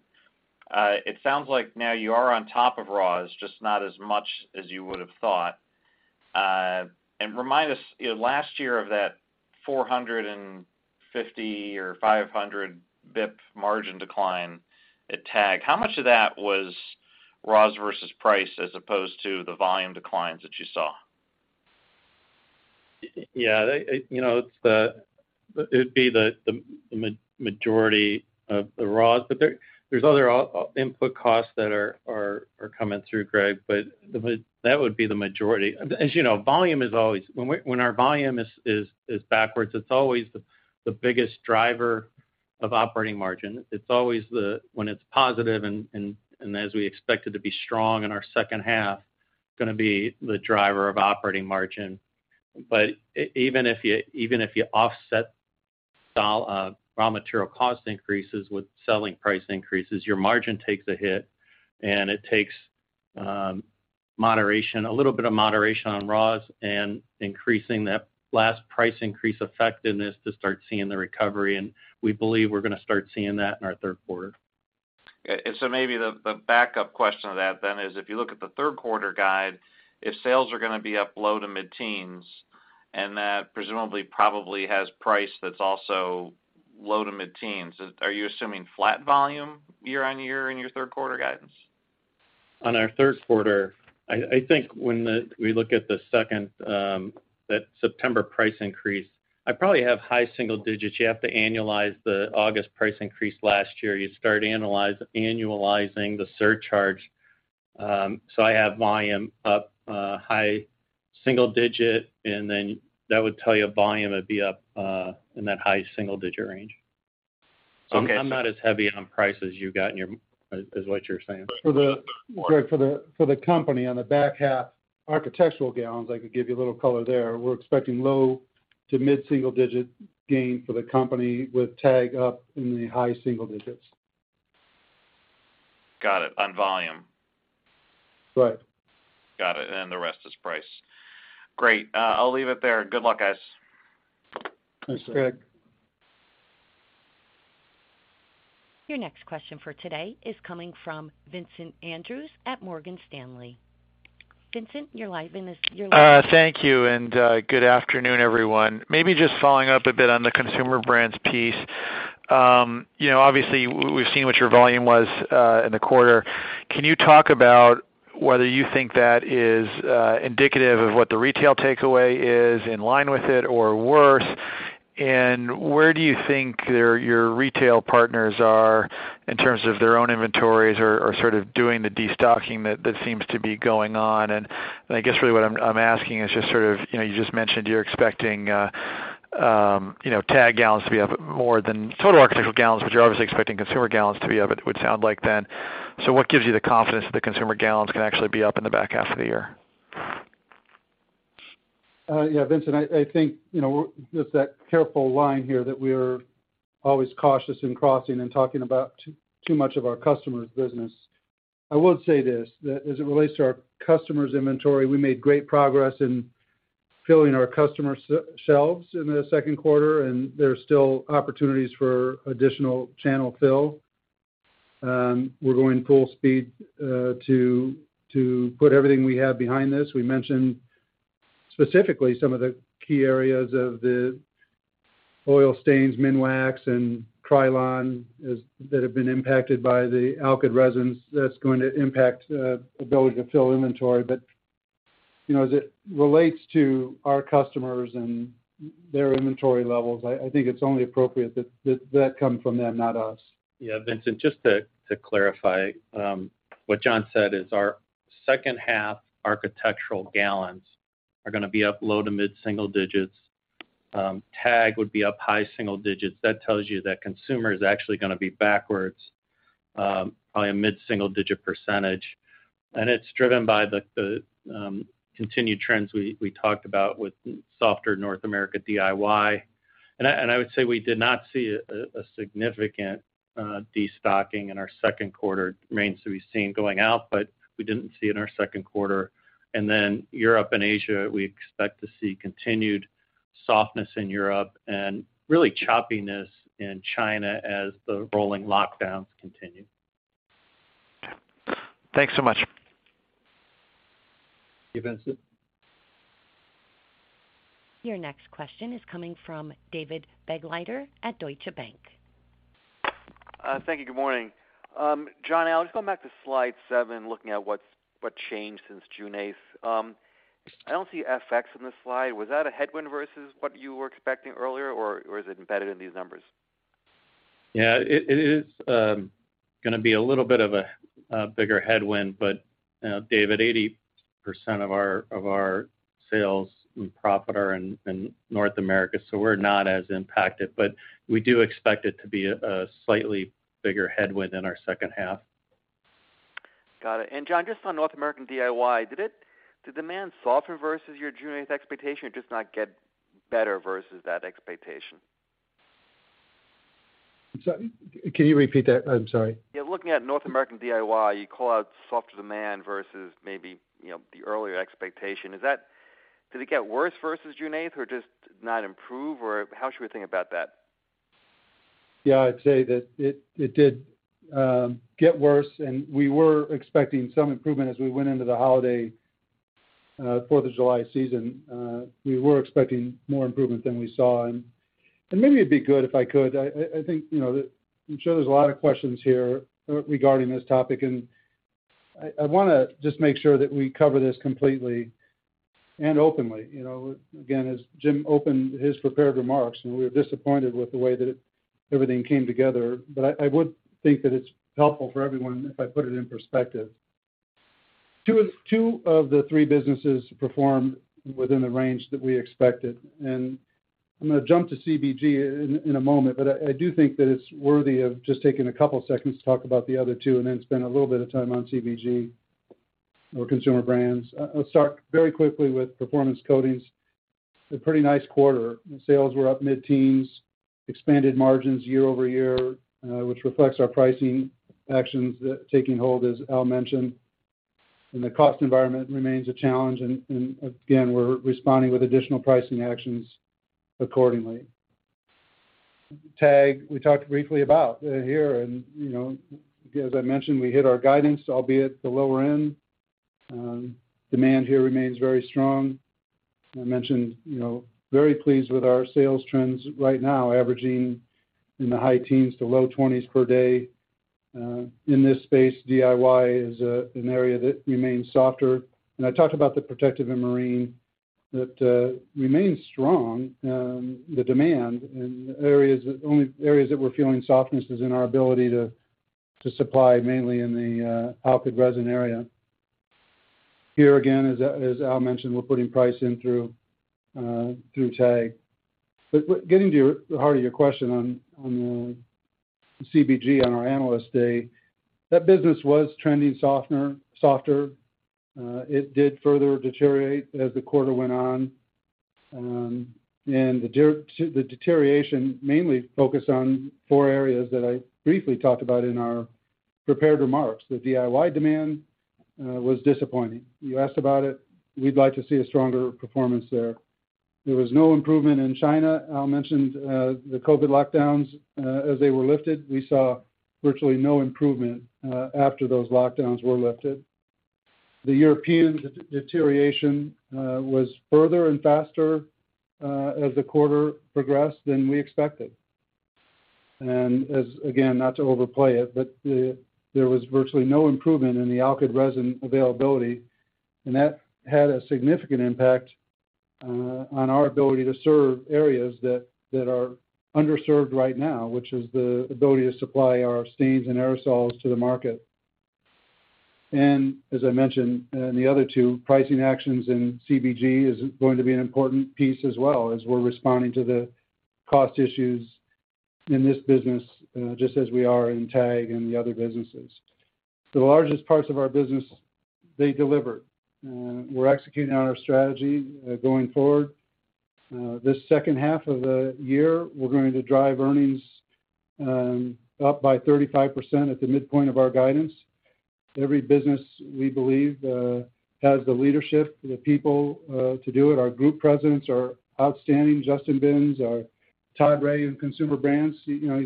It sounds like now you are on top of raws, just not as much as you would have thought. Remind us, you know, last year of that 450 or 500 basis points margin decline at TAG, how much of that was raws versus price as opposed to the volume declines that you saw? Yeah. You know, it would be the majority of the raws, but there's other input costs that are coming through, Greg, but that would be the majority. As you know, volume is always. When our volume is backwards, it's always the biggest driver of operating margin. It's always. When it's positive and as we expect it to be strong in our second half, gonna be the driver of operating margin. Even if you offset. Raw material cost increases with selling price increases, your margin takes a hit, and it takes a little bit of moderation on raws and increasing that last price increase effectiveness to start seeing the recovery, and we believe we're gonna start seeing that in our third quarter. Maybe the backup question to that then is, if you look at the third quarter guide, if sales are gonna be up low-to-mid-teens, and that presumably probably has price that's also low-to-mid-teens, are you assuming flat volume year-over-year in your third quarter guidance? On our third quarter, I think when we look at the second, that September price increase, I probably have high single digits. You have to annualize the August price increase last year. You start annualizing the surcharge. I have volume up, high single digit, and then that would tell you volume would be up, in that high single digit range. Okay. I'm not as heavy on price as what you're saying. Greg, for the company on the back half architectural gallons, I could give you a little color there. We're expecting low- to mid-single-digit gain for the company with TAG up in the high single digits. Got it. On volume. Right. Got it. The rest is price. Great. I'll leave it there. Good luck, guys. Thanks, Greg. Thanks. Your next question for today is coming from Vincent Andrews at Morgan Stanley. Vincent, you're live. Thank you and good afternoon, everyone. Maybe just following up a bit on the consumer brands piece. You know, obviously we've seen what your volume was in the quarter. Can you talk about whether you think that is indicative of what the retail takeaway is in line with it or worse? Where do you think your retail partners are in terms of their own inventories or sort of doing the destocking that seems to be going on? I guess really what I'm asking is just sort of, you know, you just mentioned you're expecting, you know, TAG gallons to be up more than total architectural gallons, but you're obviously expecting consumer gallons to be up, it would sound like then. What gives you the confidence that the consumer gallons can actually be up in the back half of the year? Yeah, Vincent, I think, you know, there's that careful line here that we're always cautious in crossing and talking about too much of our customers' business. I would say this, that as it relates to our customers' inventory, we made great progress in filling our customers' shelves in the second quarter, and there's still opportunities for additional channel fill. We're going full speed to put everything we have behind this. We mentioned specifically some of the key areas of the oil stains, Minwax and Krylon that have been impacted by the alkyd resins that's going to impact ability to fill inventory. You know, as it relates to our customers and their inventory levels, I think it's only appropriate that that come from them, not us. Yeah, Vincent, just to clarify, what John said is our second half architectural gallons are gonna be up low- to mid-single digits. TAG would be up high single digits. That tells you that consumer is actually gonna be backwards, probably a mid-single-digit percentage. It's driven by the continued trends we talked about with softer North America DIY. I would say we did not see a significant destocking in our second quarter. It remains to be seen going out, but we didn't see in our second quarter. Then Europe and Asia, we expect to see continued softness in Europe and really choppiness in China as the rolling lockdowns continue. Thanks so much. Thank you, Vincent. Your next question is coming from David Begleiter at Deutsche Bank. Thank you. Good morning. John, I was going back to slide seven, looking at what's changed since June 8th. I don't see FX in this slide. Was that a headwind versus what you were expecting earlier, or is it embedded in these numbers? Yeah, it is gonna be a little bit of a bigger headwind. David, 80% of our sales and profit are in North America, so we're not as impacted. We do expect it to be a slightly bigger headwind in our second half. Got it. John, just on North American DIY, did demand softer versus your June eighth expectation or just not get better versus that expectation? I'm sorry. Can you repeat that? I'm sorry. Yeah. Looking at North American DIY, you call out softer demand versus maybe, you know, the earlier expectation. Did it get worse versus June 8th or just not improve, or how should we think about that? Yeah. I'd say that it did get worse, and we were expecting some improvement as we went into the holiday for of July season. We were expecting more improvement than we saw. Maybe it'd be good if I could. I think, you know, that I'm sure there's a lot of questions here regarding this topic, and I wanna just make sure that we cover this completely and openly. You know, again, as Jim opened his prepared remarks, and we're disappointed with the way that everything came together. I would think that it's helpful for everyone if I put it in perspective. Two of the three businesses performed within the range that we expected, and I'm gonna jump to CBG in a moment. I do think that it's worthy of just taking a couple seconds to talk about the other two and then spend a little bit of time on CBG or Consumer I talked about the Protective & Marine that remains strong, the demand. The only areas that we're feeling softness is in our ability to supply mainly in the alkyd resin area. Here again, as Al mentioned, we're putting price in through TAG. But getting to the heart of your question on the CBG on our Analyst Day, that business was trending softer. It did further deteriorate as the quarter went on. The deterioration mainly focused on four areas that I briefly talked about in our prepared remarks. The DIY demand was disappointing. You asked about it. We'd like to see a stronger performance there. There was no improvement in China. Al mentioned the COVID lockdowns as they were lifted. We saw virtually no improvement after those lockdowns were lifted. The European deterioration was further and faster as the quarter progressed than we expected. As, again, not to overplay it, but there was virtually no improvement in the alkyd resin availability, and that had a significant impact on our ability to serve areas that are underserved right now, which is the ability to supply our stains and aerosols to the market. As I mentioned in the other two, pricing actions in CBG is going to be an important piece as well as we're responding to the cost issues in this business, just as we are in TAG and the other businesses. The largest parts of our business, they deliver. We're executing on our strategy going forward. This second half of the year, we're going to drive earnings up by 35% at the midpoint of our guidance. Every business, we believe, has the leadership, the people, to do it. Our group presidents are outstanding. Justin Binns, our Todd Rea in Consumer Brands. You know,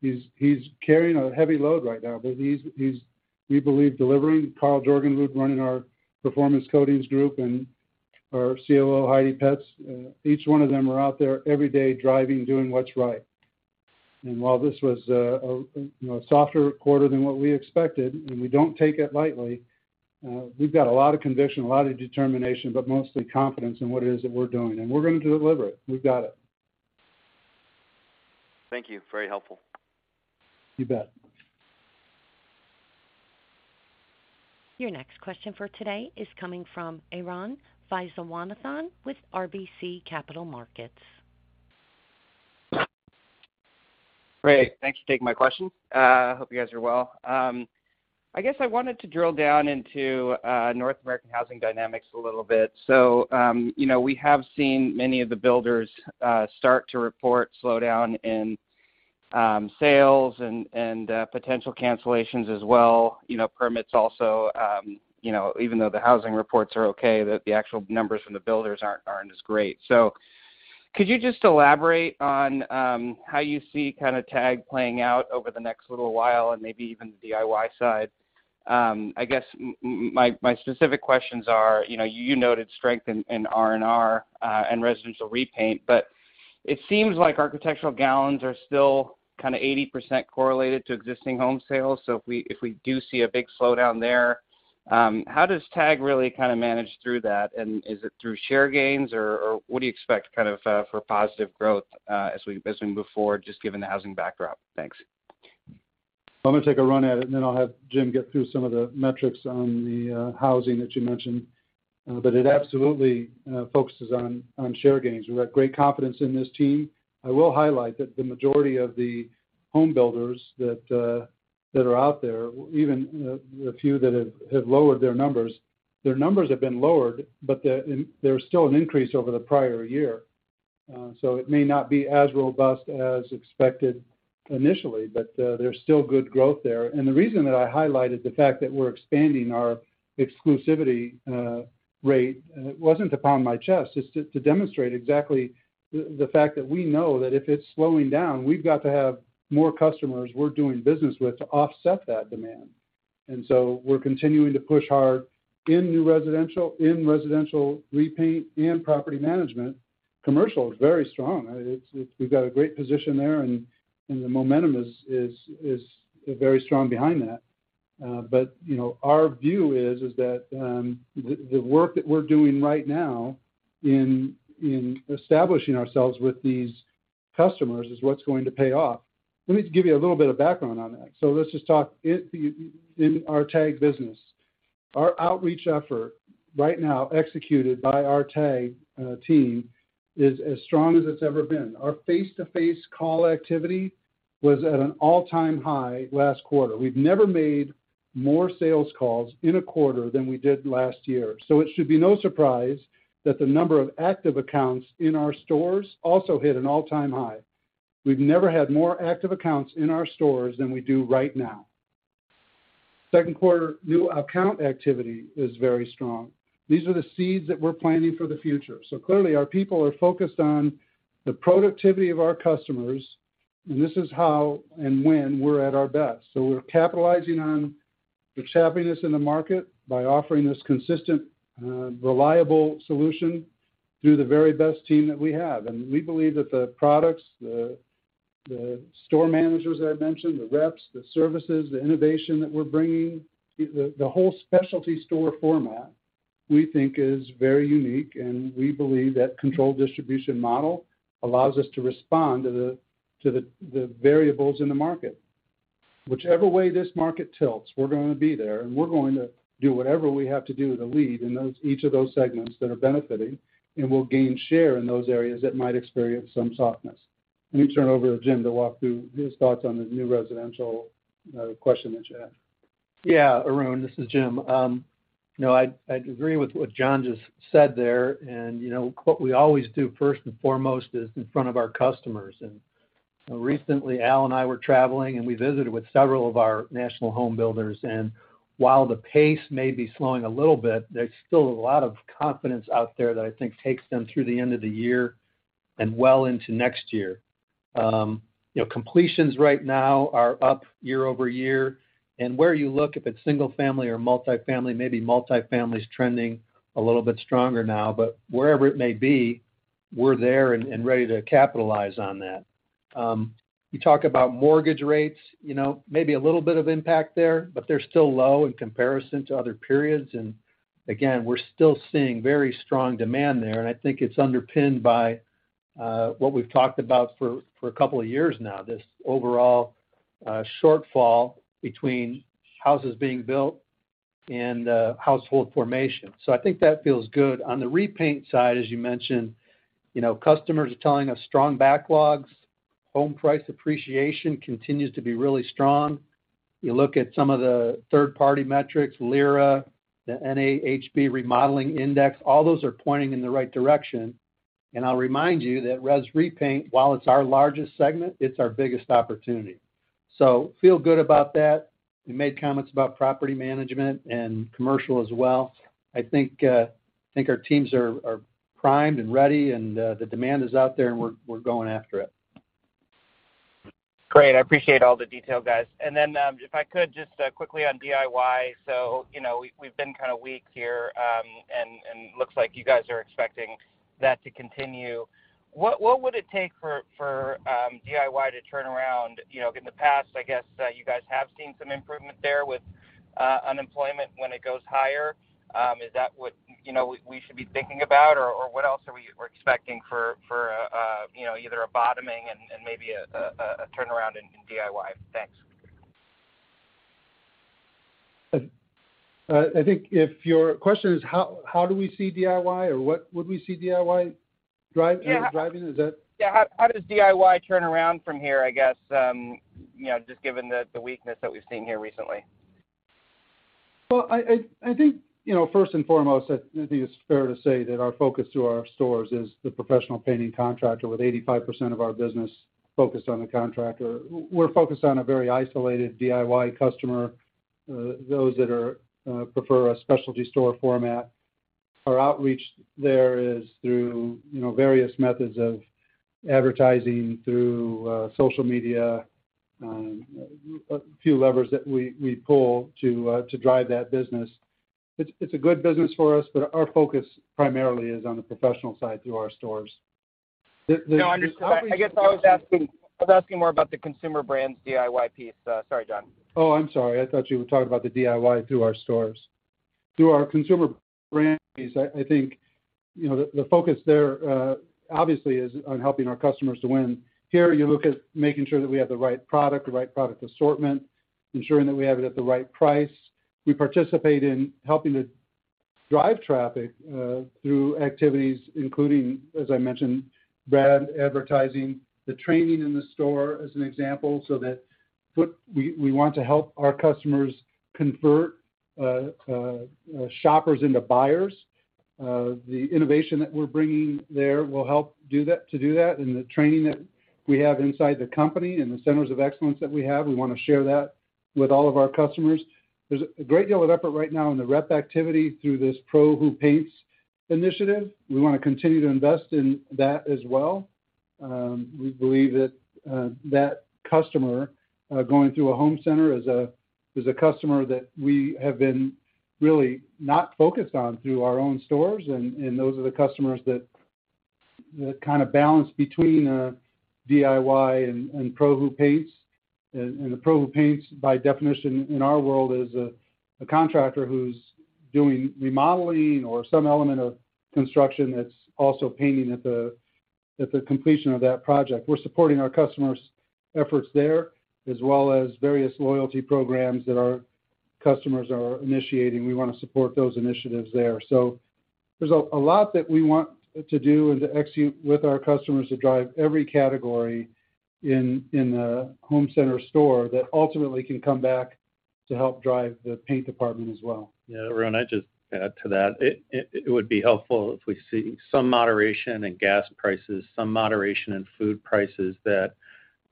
he's carrying a heavy load right now, but he's we believe delivering. Karl Jorgenrud running our Performance Coatings Group and our COO, Heidi Petz, each one of them are out there every day driving, doing what's right. While this was, you know, a softer quarter than what we expected, and we don't take it lightly, we've got a lot of conviction, a lot of determination, but mostly confidence in what it is that we're doing, and we're going to deliver it. We've got it. Thank you. Very helpful. You bet. Your next question for today is coming from Arun Viswanathan with RBC Capital Markets. Great. Thank you for taking my question. Hope you guys are well. I guess I wanted to drill down into North American housing dynamics a little bit. You know, we have seen many of the builders start to report slowdown in sales and potential cancellations as well, you know, permits also. You know, even though the housing reports are okay, the actual numbers from the builders aren't as great. Could you just elaborate on how you see kinda TAG playing out over the next little while and maybe even the DIY side? I guess my specific questions are, you know, you noted strength in R&R and residential repaint, but it seems like architectural gallons are still kinda 80% correlated to existing home sales. If we do see a big slowdown there, how does TAG really kinda manage through that? Is it through share gains or what do you expect kind of for positive growth as we move forward, just given the housing backdrop? Thanks. I'm gonna take a run at it, and then I'll have Jim get through some of the metrics on the housing that you mentioned. It absolutely focuses on share gains. We've got great confidence in this team. I will highlight that the majority of the home builders that are out there, even a few that have lowered their numbers, but there's still an increase over the prior year. It may not be as robust as expected initially, but there's still good growth there. The reason that I highlighted the fact that we're expanding our exclusivity rate wasn't beating my chest. It's to demonstrate exactly the fact that we know that if it's slowing down, we've got to have more customers we're doing business with to offset that demand. We're continuing to push hard in new residential, in residential repaint and property management. Commercial is very strong. We've got a great position there, and the momentum is very strong behind that. You know, our view is that the work that we're doing right now in establishing ourselves with these customers is what's going to pay off. Let me just give you a little bit of background on that. Let's just talk about our TAG business. Our outreach effort right now executed by our TAG team is as strong as it's ever been. Our face-to-face call activity was at an all-time high last quarter. We've never made more sales calls in a quarter than we did last year. It should be no surprise that the number of active accounts in our stores also hit an all-time high. We've never had more active accounts in our stores than we do right now. Second quarter new account activity is very strong. These are the seeds that we're planting for the future. Clearly, our people are focused on the productivity of our customers, and this is how and when we're at our best. We're capitalizing on the choppiness in the market by offering this consistent, reliable solution through the very best team that we have. We believe that the products, the store managers that I mentioned, the reps, the services, the innovation that we're bringing, the whole specialty store format, we think is very unique, and we believe that controlled distribution model allows us to respond to the variables in the market. Whichever way this market tilts, we're gonna be there, and we're going to do whatever we have to do to lead in those, each of those segments that are benefiting, and we'll gain share in those areas that might experience some softness. Let me turn it over to Jim to walk through his thoughts on the new residential question that you had. Yeah, Arun, this is Jim. You know, I'd agree with what John just said there. You know, what we always do first and foremost is in front of our customers. Recently, Al and I were traveling, and we visited with several of our national home builders. While the pace may be slowing a little bit, there's still a lot of confidence out there that I think takes them through the end of the year and well into next year. You know, completions right now are up year-over-year. Where you look, if it's single-family or multifamily, maybe multifamily is trending a little bit stronger now, but wherever it may be, we're there and ready to capitalize on that. You talk about mortgage rates, you know, maybe a little bit of impact there, but they're still low in comparison to other periods. We're still seeing very strong demand there. I think it's underpinned by what we've talked about for a couple of years now, this overall shortfall between houses being built and household formation. I think that feels good. On the repaint side, as you mentioned, you know, customers are telling us strong backlogs. Home price appreciation continues to be really strong. You look at some of the third-party metrics, LIRA, the NAHB remodeling index, all those are pointing in the right direction. I'll remind you that res repaint, while it's our largest segment, it's our biggest opportunity. Feel good about that. We made comments about property management and commercial as well. I think our teams are primed and ready and the demand is out there, and we're going after it. Great. I appreciate all the detail, guys. If I could just quickly on DIY. You know, we've been kind of weak here, and looks like you guys are expecting that to continue. What would it take for DIY to turn around? You know, in the past, I guess, you guys have seen some improvement there with unemployment when it goes higher. Is that what you know we should be thinking about? Or what else are we expecting for you know either a bottoming and maybe a turnaround in DIY? Thanks. I think if your question is how do we see DIY or what would we see DIY drive? Yeah Driving? Is that. Yeah. How does DIY turn around from here, I guess, you know, just given the weakness that we've seen here recently? Well, I think, you know, first and foremost, I think it's fair to say that our focus to our stores is the professional painting contractor, with 85% of our business focused on the contractor. We're focused on a very isolated DIY customer, those that are prefer a specialty store format. Our outreach there is through, you know, various methods of advertising, through social media, a few levers that we pull to drive that business. It's a good business for us, but our focus primarily is on the professional side through our stores. No, I understand. I guess I was asking more about the Consumer Brands DIY piece. Sorry, John. Oh, I'm sorry. I thought you were talking about the DIY through our stores. Through our consumer brand piece, I think, you know, the focus there obviously is on helping our customers to win. Here, you look at making sure that we have the right product assortment, ensuring that we have it at the right price. We participate in helping to drive traffic through activities, including, as I mentioned, brand advertising, the training in the store as an example, so that what we want to help our customers convert shoppers into buyers. The innovation that we're bringing there will help do that, to do that, and the training that we have inside the company and the centers of excellence that we have, we wanna share that with all of our customers. There's a great deal of effort right now in the rep activity through this Pros Who Paint initiative. We wanna continue to invest in that as well. We believe that that customer going through a home center is a customer that we have been really not focused on through our own stores, and those are the customers that kind of balance between DIY and Pros Who Paint. The Pros Who Paint, by definition in our world, is a contractor who's doing remodeling or some element of construction that's also painting at the completion of that project. We're supporting our customers' efforts there, as well as various loyalty programs that our customers are initiating. We wanna support those initiatives there. There's a lot that we want to do and to execute with our customers to drive every category in a home center store that ultimately can come back to help drive the paint department as well. Yeah, Arun, I'd just add to that. It would be helpful if we see some moderation in gas prices, some moderation in food prices that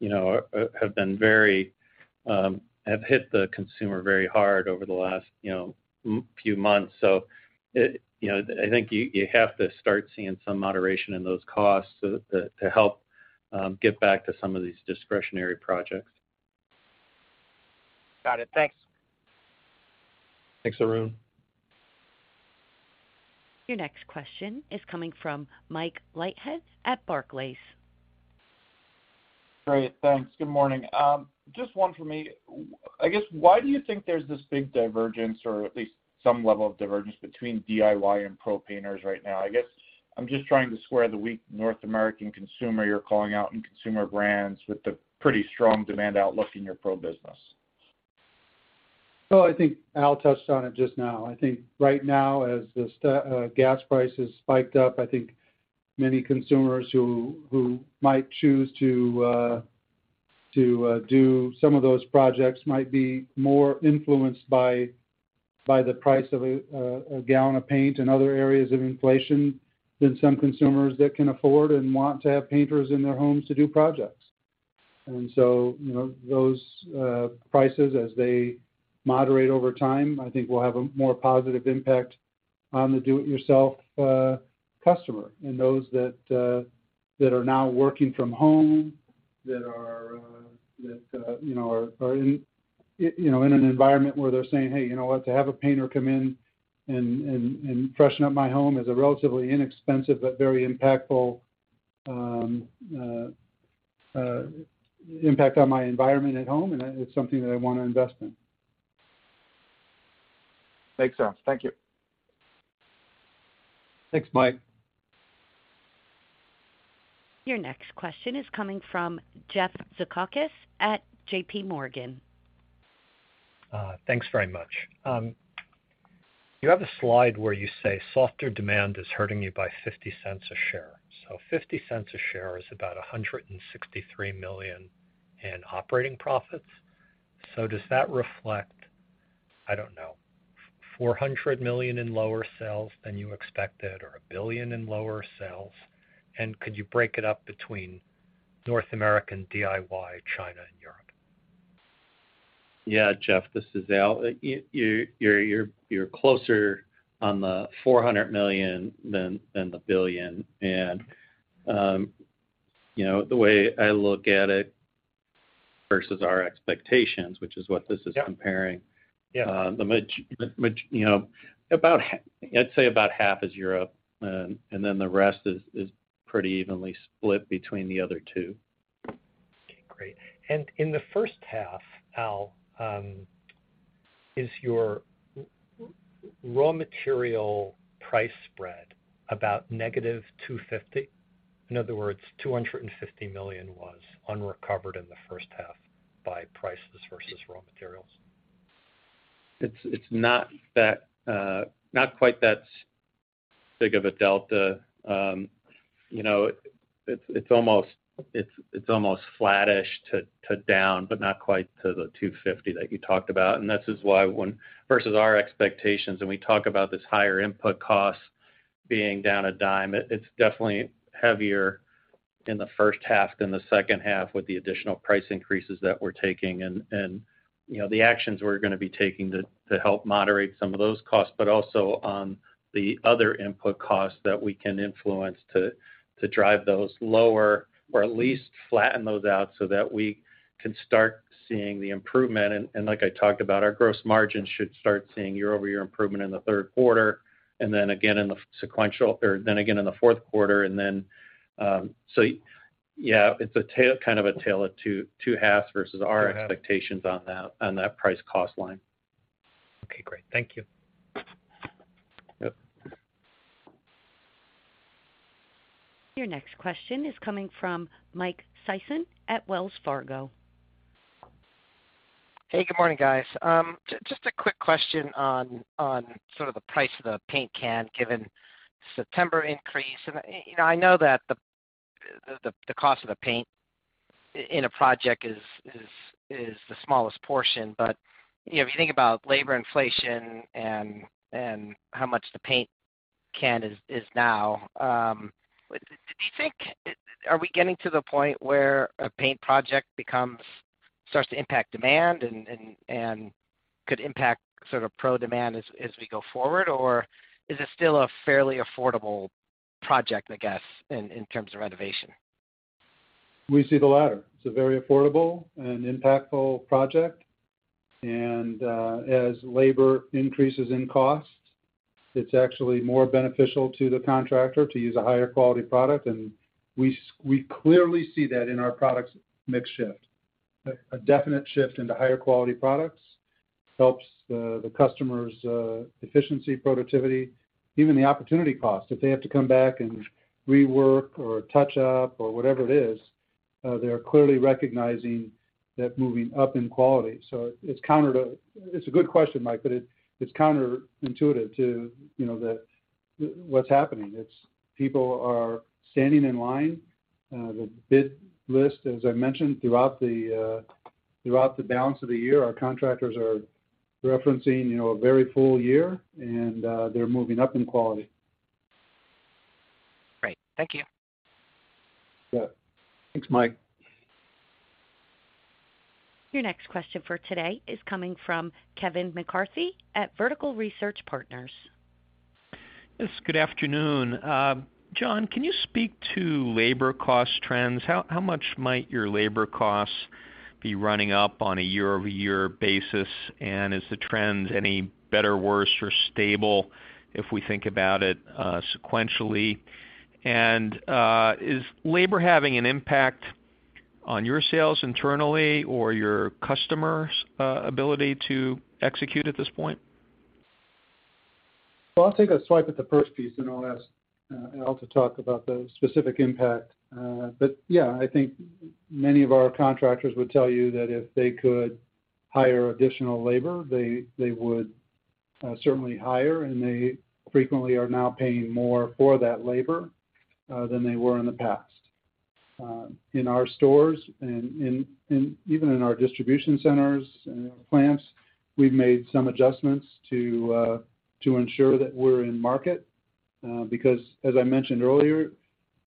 you know have hit the consumer very hard over the last you know few months. You know, I think you have to start seeing some moderation in those costs to help get back to some of these discretionary projects. Got it. Thanks. Thanks, Arun. Your next question is coming from Mike Leithead at Barclays. Great. Thanks. Good morning. Just one for me. I guess, why do you think there's this big divergence, or at least some level of divergence between DIY and pro painters right now? I guess I'm just trying to square the weak North American consumer you're calling out in consumer brands with the pretty strong demand outlook in your pro business. I think Al touched on it just now. I think right now, as gas prices spiked up, I think many consumers who might choose to do some of those projects might be more influenced by the price of a gallon of paint and other areas of inflation than some consumers that can afford and want to have painters in their homes to do projects. You know, those prices as they moderate over time, I think will have a more positive impact on the do-it-yourself customer and those that are now working from home that are you know are in you know in an environment where they're saying, Hey, you know what? To have a painter come in and freshen up my home is a relatively inexpensive but very impactful impact on my environment at home, and it's something that I wanna invest in. Makes sense. Thank you. Thanks, Mike. Your next question is coming from Jeff Zekauskas at J.P. Morgan. Thanks very much. You have a slide where you say softer demand is hurting you by $0.50 a share. $0.50 a share is about $163 million in operating profits. Does that reflect, I don't know, $400 million in lower sales than you expected or $1 billion in lower sales? Could you break it up between North American DIY, China and Europe? Yeah, Jeff, this is Al. You're closer on the $400 million than the $1 billion. You know, the way I look at it versus our expectations, which is what this is comparing- Yeah. You know, about half is Europe, and then the rest is pretty evenly split between the other two. Okay, great. In the first half, Al, is your raw material price spread about negative $250 million? In other words, $250 million was unrecovered in the first half by prices versus raw materials. It's not quite that big of a delta. You know, it's almost flattish to down, but not quite to the $250 million that you talked about. This is why when versus our expectations and we talk about this higher input cost being down a dime, it's definitely heavier in the first half than the second half with the additional price increases that we're taking and, you know, the actions we're gonna be taking to help moderate some of those costs, but also on the other input costs that we can influence to drive those lower or at least flatten those out so that we can start seeing the improvement. Like I talked about, our gross margin should start seeing year-over-year improvement in the third quarter and then again in the fourth quarter. Yeah, it's kind of a tale of two halves versus our expectations on that price-cost line. Okay, great. Thank you. Yep. Your next question is coming from Mike Sison at Wells Fargo. Hey, good morning, guys. Just a quick question on sort of the price of the paint can given September increase. You know, I know that the cost of the paint in a project is the smallest portion. You know, if you think about labor inflation and how much the paint can is now, do you think? Are we getting to the point where a paint project starts to impact demand and could impact sort of pro demand as we go forward, or is it still a fairly affordable project, I guess, in terms of renovation? We see the latter. It's a very affordable and impactful project, and as labor increases in cost, it's actually more beneficial to the contractor to use a higher quality product. We clearly see that in our product mix shift. A definite shift into higher quality products helps the customer's efficiency, productivity, even the opportunity cost. If they have to come back and rework or touch up or whatever it is, they are clearly recognizing that moving up in quality. It's a good question, Mike, but it's counterintuitive to, you know, what's happening. It's people are standing in line. The bid list, as I mentioned throughout the balance of the year, our contractors are referencing, you know, a very full year, and they're moving up in quality. Great. Thank you. Yeah. Thanks, Mike. Your next question for today is coming from Kevin McCarthy at Vertical Research Partners. Yes, good afternoon. John, can you speak to labor cost trends? How much might your labor costs be running up on a year-over-year basis? Is the trends any better, worse, or stable if we think about it sequentially? Is labor having an impact on your sales internally or your customers' ability to execute at this point? I'll take a swipe at the first piece, and I'll ask Al to talk about the specific impact. Yeah, I think many of our contractors would tell you that if they could hire additional labor, they would certainly hire, and they frequently are now paying more for that labor than they were in the past. In our stores and even in our distribution centers and plants, we've made some adjustments to ensure that we're in market because as I mentioned earlier,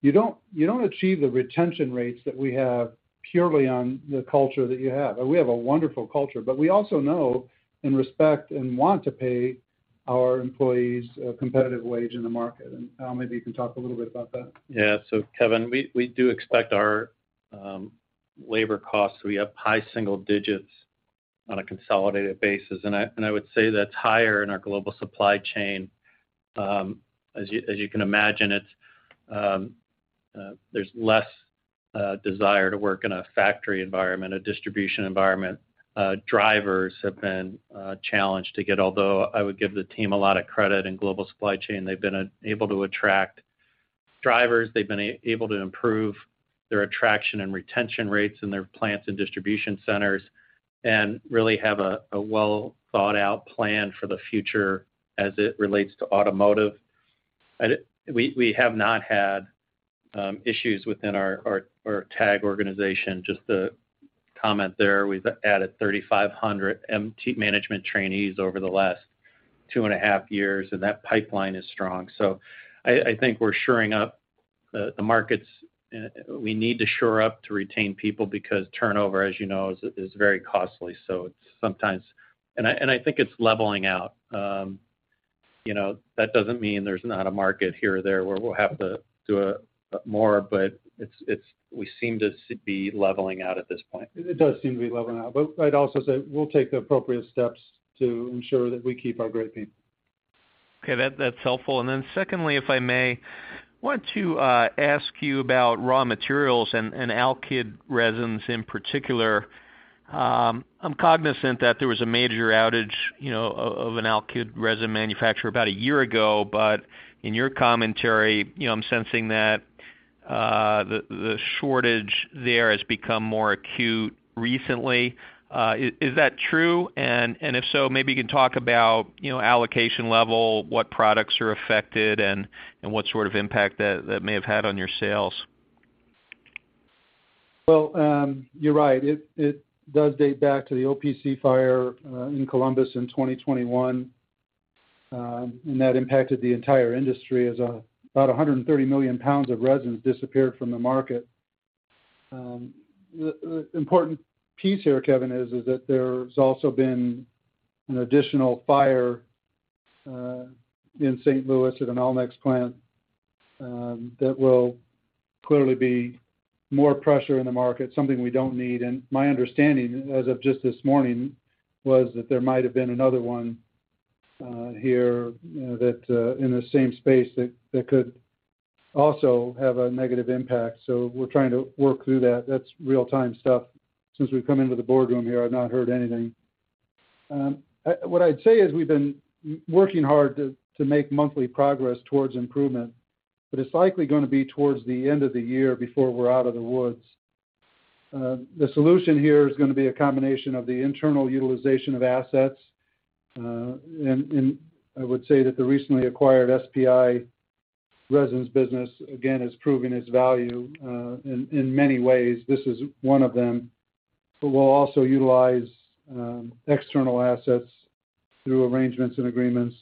you don't achieve the retention rates that we have purely on the culture that you have. We have a wonderful culture, but we also know and respect and want to pay our employees a competitive wage in the market. Al, maybe you can talk a little bit about that. Yeah. Kevin, we do expect our labor costs to be up high single digits on a consolidated basis. I would say that's higher in our global supply chain. As you can imagine, there's less desire to work in a factory environment, a distribution environment. Drivers have been challenged to get, although I would give the team a lot of credit in global supply chain. They've been able to attract drivers. They've been able to improve their attraction and retention rates in their plants and distribution centers and really have a well-thought-out plan for the future as it relates to automotive. We have not had issues within our TAG organization. Just to comment there, we've added 3,500 MT management trainees over the last two and a half years, and that pipeline is strong. I think we're shoring up the markets. We need to shore up to retain people because turnover, as you know, is very costly. I think it's leveling out. You know, that doesn't mean there's not a market here or there where we'll have to do more, but we seem to be leveling out at this point. It does seem to be leveling out. I'd also say we'll take the appropriate steps to ensure that we keep our great team. Okay. That's helpful. Then secondly, if I may, want to ask you about raw materials and alkyd resins in particular. I'm cognizant that there was a major outage, you know, of an alkyd resin manufacturer about a year ago, but in your commentary, you know, I'm sensing that the shortage there has become more acute recently. Is that true? If so, maybe you can talk about, you know, allocation level, what products are affected, and what sort of impact that may have had on your sales. Well, you're right. It does date back to the OPC fire in Columbus in 2021, and that impacted the entire industry as about 130 million pounds of resins disappeared from the market. The important piece here, Kevin, is that there's also been an additional fire in St. Louis at an Allnex plant that will clearly put more pressure in the market, something we don't need. My understanding as of just this morning was that there might have been another one here in the same space that could also have a negative impact. We're trying to work through that. That's real-time stuff. Since we've come into the boardroom here, I've not heard anything. What I'd say is we've been working hard to make monthly progress towards improvement, but it's likely gonna be towards the end of the year before we're out of the woods. The solution here is gonna be a combination of the internal utilization of assets. I would say that the recently acquired SPI Resins business again is proving its value in many ways. This is one of them. We'll also utilize external assets through arrangements and agreements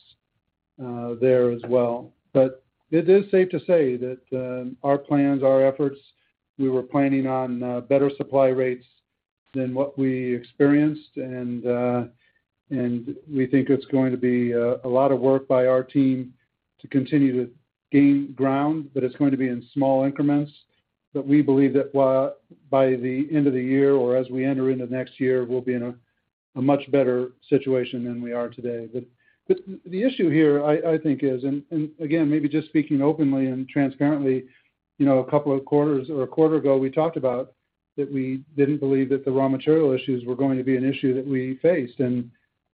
there as well. It is safe to say that our plans, our efforts, we were planning on better supply rates than what we experienced, and we think it's going to be a lot of work by our team to continue to gain ground, but it's going to be in small increments. We believe that by the end of the year or as we enter into next year, we'll be in a much better situation than we are today. The issue here, I think is, and again, maybe just speaking openly and transparently, you know, a couple of quarters or a quarter ago, we talked about that we didn't believe that the raw material issues were going to be an issue that we faced.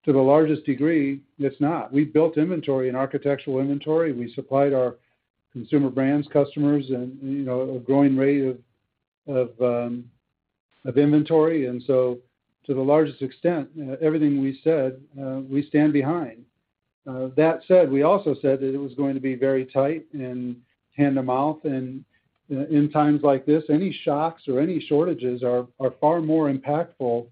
To the largest degree, it's not. We built inventory and architectural inventory. We supplied our Consumer Brands customers and, you know, a growing rate of inventory. To the largest extent, everything we said, we stand behind. That said, we also said that it was going to be very tight and hand-to-mouth. In times like this, any shocks or any shortages are far more impactful than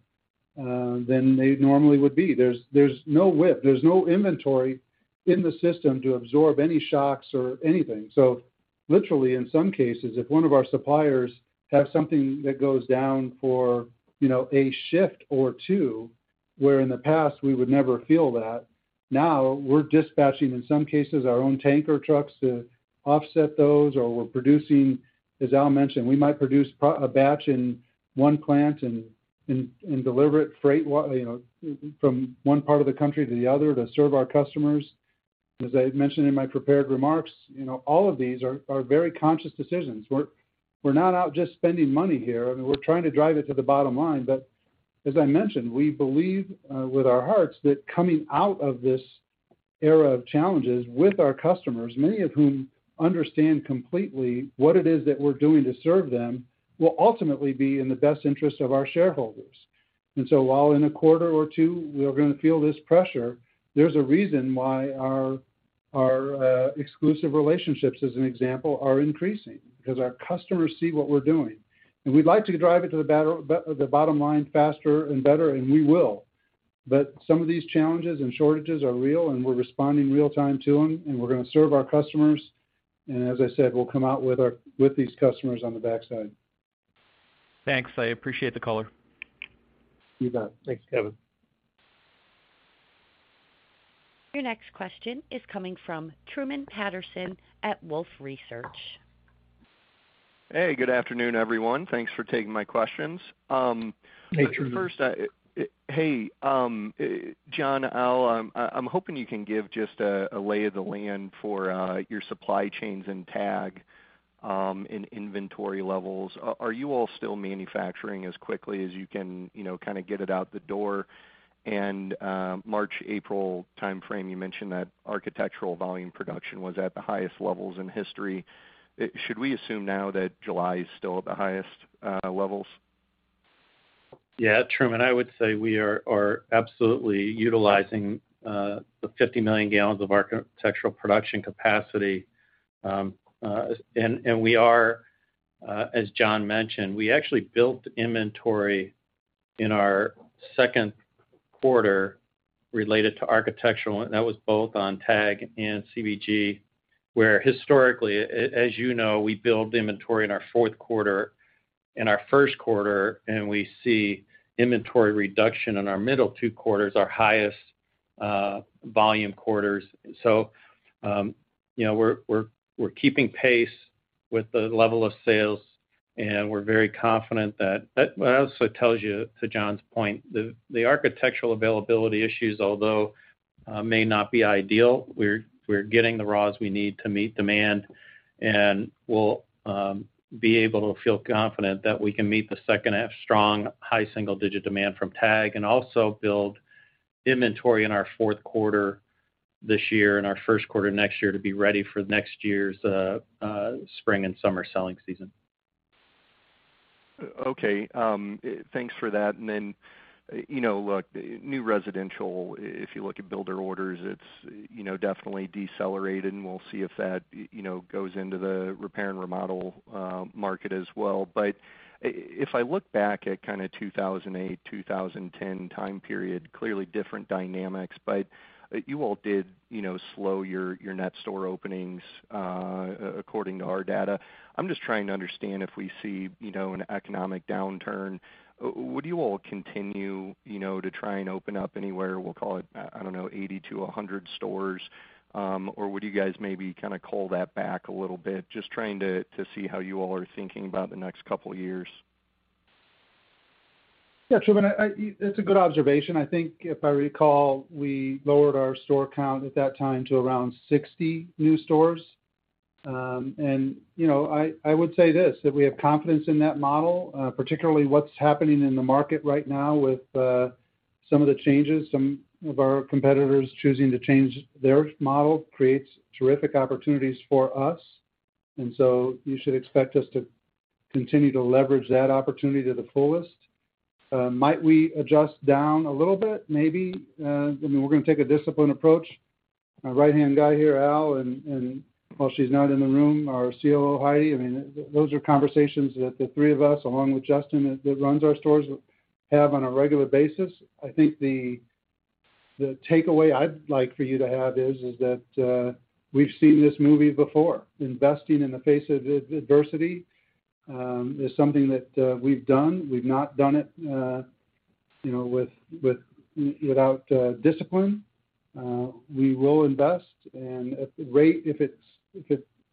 they normally would be. There's no slack. There's no inventory in the system to absorb any shocks or anything. So literally, in some cases, if one of our suppliers have something that goes down for, you know, a shift or two, where in the past we would never feel that, now we're dispatching, in some cases, our own tanker trucks to offset those, or we're producing, as Al mentioned, we might produce a batch in one plant and deliver it freight, you know, from one part of the country to the other to serve our customers. As I mentioned in my prepared remarks, you know, all of these are very conscious decisions. We're not out just spending money here. I mean, we're trying to drive it to the bottom line. As I mentioned, we believe with our hearts that coming out of this era of challenges with our customers, many of whom understand completely what it is that we're doing to serve them, will ultimately be in the best interest of our shareholders. While in a quarter or two we are going to feel this pressure, there's a reason why our exclusive relationships, as an example, are increasing because our customers see what we're doing. We'd like to drive it to the bottom line faster and better, and we will. Some of these challenges and shortages are real, and we're responding real time to them, and we're going to serve our customers. As I said, we'll come out with these customers on the backside. Thanks. I appreciate the call. You bet. Thanks, Kevin. Your next question is coming from Truman Patterson at Wolfe Research. Hey, good afternoon, everyone. Thanks for taking my questions. Hey, Truman. First, hey, John, Al, I'm hoping you can give just a lay of the land for your supply chains and TAG in inventory levels. Are you all still manufacturing as quickly as you can, you know, kind of get it out the door? March, April timeframe, you mentioned that architectural volume production was at the highest levels in history. Should we assume now that July is still at the highest levels? Yeah, Truman, I would say we are absolutely utilizing the 50 million gallons of architectural production capacity. We are, as John mentioned, we actually built inventory in our second quarter related to architectural, and that was both on TAG and CBG, where historically, as you know, we build inventory in our fourth quarter and our first quarter, and we see inventory reduction in our middle two quarters, our highest volume quarters. You know, we're keeping pace with the level of sales, and we're very confident. That also tells you, to John's point, the architectural availability issues, although may not be ideal, we're getting the raws we need to meet demand, and we'll be able to feel confident that we can meet the second half strong high single digit demand from TAG and also build inventory in our fourth quarter this year and our first quarter next year to be ready for next year's spring and summer selling season. Okay, thanks for that. You know, look, new residential, if you look at builder orders, it's, you know, definitely decelerated, and we'll see if that, you know, goes into the repair and remodel market as well. If I look back at kind of 2008, 2010 time period, clearly different dynamics, but you all did, you know, slow your net store openings according to our data. I'm just trying to understand if we see, you know, an economic downturn, would you all continue, you know, to try and open up anywhere, we'll call it, I don't know, 80-100 stores? Or would you guys maybe kind of call that back a little bit? Just trying to see how you all are thinking about the next couple of years. Yeah, Truman, It's a good observation. I think if I recall, we lowered our store count at that time to around 60 new stores. You know, I would say this, that we have confidence in that model, particularly what's happening in the market right now with some of the changes, some of our competitors choosing to change their model creates terrific opportunities for us. You should expect us to continue to leverage that opportunity to the fullest. Might we adjust down a little bit? Maybe. I mean, we're going to take a disciplined approach. My right-hand guy here, Al, and while she's not in the room, our COO, Heidi, I mean, those are conversations that the three of us, along with Justin, that runs our stores, have on a regular basis. I think the takeaway I'd like for you to have is that we've seen this movie before. Investing in the face of adversity is something that we've done. We've not done it, you know, without discipline. We will invest. If the rate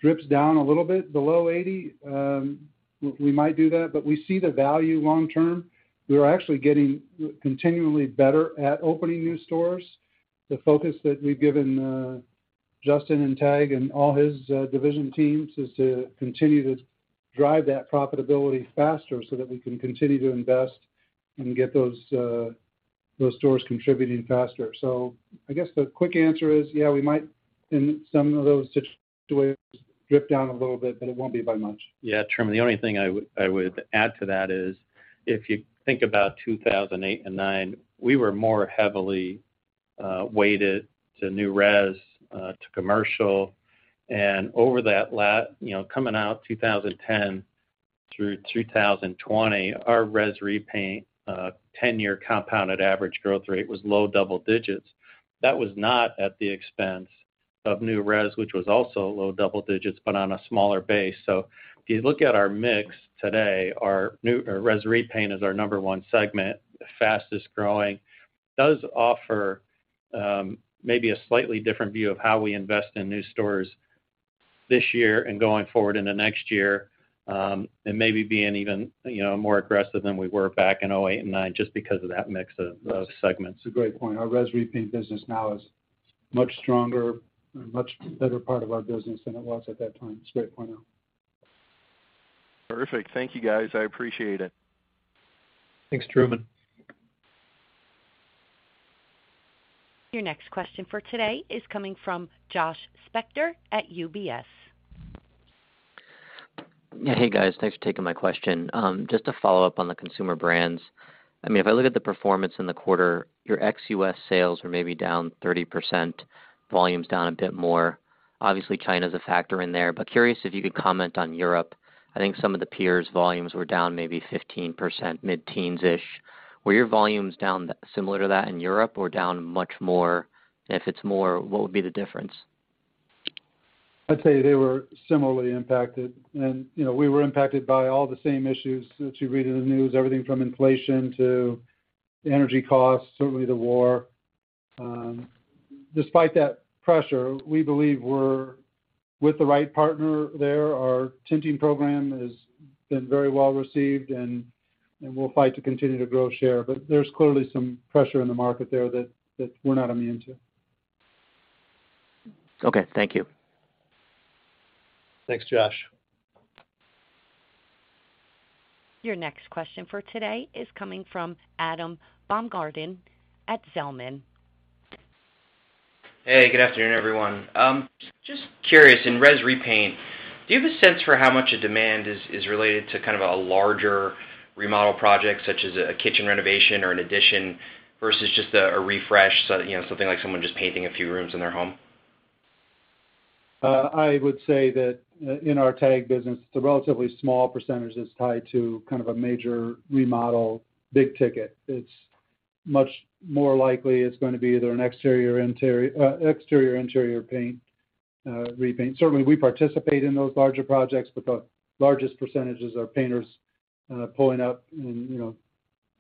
drops a little bit below 80 stores, we might do that. But we see the value long term. We are actually getting continually better at opening new stores. The focus that we've given Justin and TAG and all his division teams is to continue to drive that profitability faster so that we can continue to invest and get those stores contributing faster. I guess the quick answer is, yeah, we might, in some of those situations, drift down a little bit, but it won't be by much. Yeah. Truman, the only thing I would add to that is if you think about 2008 and 2009, we were more heavily weighted to new res to commercial. Over that last, you know, coming out 2010 through 2020, our res repaint 10-year compounded average growth rate was low double digits. That was not at the expense of new res, which was also low double digits, but on a smaller base. If you look at our mix today, our res repaint is our number one segment, fastest-growing- Does offer maybe a slightly different view of how we invest in new stores this year and going forward into next year, and maybe being even, you know, more aggressive than we were back in 2008 and 2009 just because of that mix of segments. It's a great point. Our repaint business now is much stronger and a much better part of our business than it was at that time. It's a great point. Perfect. Thank you, guys. I appreciate it. Thanks, Truman. Your next question for today is coming from Josh Spector at UBS. Yeah. Hey, guys. Thanks for taking my question. Just to follow up on the consumer brands. I mean, if I look at the performance in the quarter, your ex-U.S. sales were maybe down 30%, volumes down a bit more. Obviously, China is a factor in there, but curious if you could comment on Europe. I think some of the peers volumes were down maybe 15%, mid-teens-ish. Were your volumes down similar to that in Europe or down much more? If it's more, what would be the difference? I'd say they were similarly impacted. You know, we were impacted by all the same issues that you read in the news, everything from inflation to energy costs, certainly the war. Despite that pressure, we believe we're with the right partner there. Our tinting program has been very well received, and we'll fight to continue to grow share. There's clearly some pressure in the market there that we're not immune to. Okay, thank you. Thanks, Josh. Your next question for today is coming from Adam Baumgarten at Zelman. Hey, good afternoon, everyone. Just curious, in res repaint, do you have a sense for how much of demand is related to kind of a larger remodel project, such as a kitchen renovation or an addition versus just a refresh, so you know, something like someone just painting a few rooms in their home? I would say that, in our TAG business, it's a relatively small percentage that's tied to kind of a major remodel, big ticket. It's much more likely it's going to be either an exterior, interior paint, repaint. Certainly, we participate in those larger projects, but the largest percentages are painters, pulling up and, you know,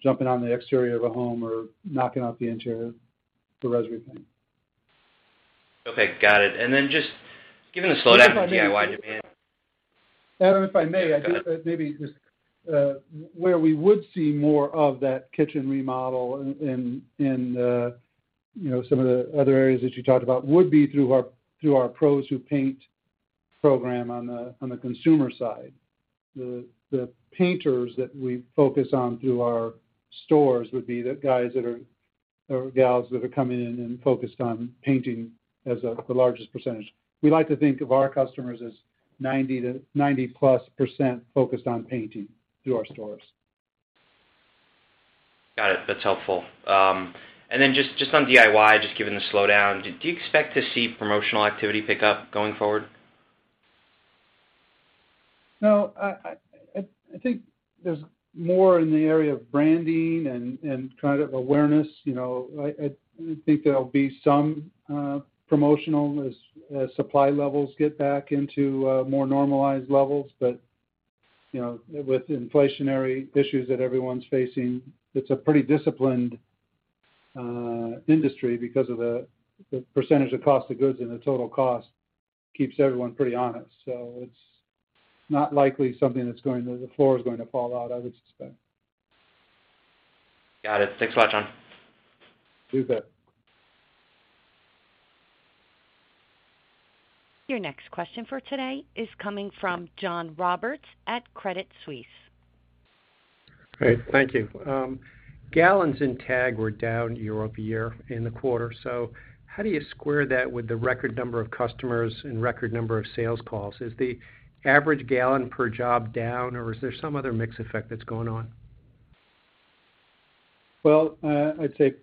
jumping on the exterior of a home or knocking out the interior for resale repaint. Okay, got it. Just given the slowdown in DIY demand. Adam, if I may, I think maybe just where we would see more of that kitchen remodel in you know some of the other areas that you talked about would be through our Pros Who Paint program on the consumer side. The painters that we focus on through our stores would be the guys that are or gals that are coming in and focused on painting as the largest percentage. We like to think of our customers as 90%-plus focused on painting through our stores. Got it. That's helpful. Just on DIY, just given the slowdown, do you expect to see promotional activity pick up going forward? No. I think there's more in the area of branding and kind of awareness. You know, I think there'll be some promotional, as supply levels get back into more normalized levels. You know, with inflationary issues that everyone's facing, it's a pretty disciplined industry because of the percentage of cost of goods and the total cost keeps everyone pretty honest. It's not likely something that's going, the floor is going to fall out, I would suspect. Got it. Thanks a lot, John. You bet. Your next question for today is coming from John Roberts at Credit Suisse. Great. Thank you. Gallons in TAG were down year-over-year in the quarter. How do you square that with the record number of customers and record number of sales calls? Is the average gallon per job down, or is there some other mix effect that's going on? Well, I'd say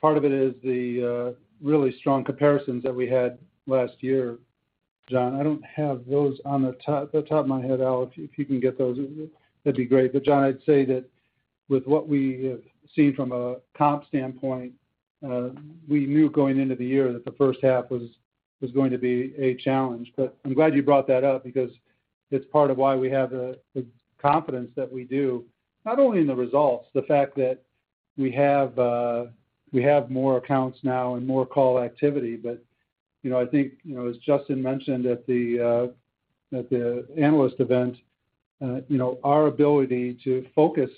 part of it is the really strong comparisons that we had last year, John. I don't have those on the top of my head. Al, if you can get those, that'd be great. John, I'd say that with what we have seen from a comp standpoint, we knew going into the year that the first half was going to be a challenge. I'm glad you brought that up because it's part of why we have the confidence that we do, not only in the results, the fact that we have we have more accounts now and more call activity. You know, I think, you know, as Justin mentioned at the Analyst Event, you know, our ability to focus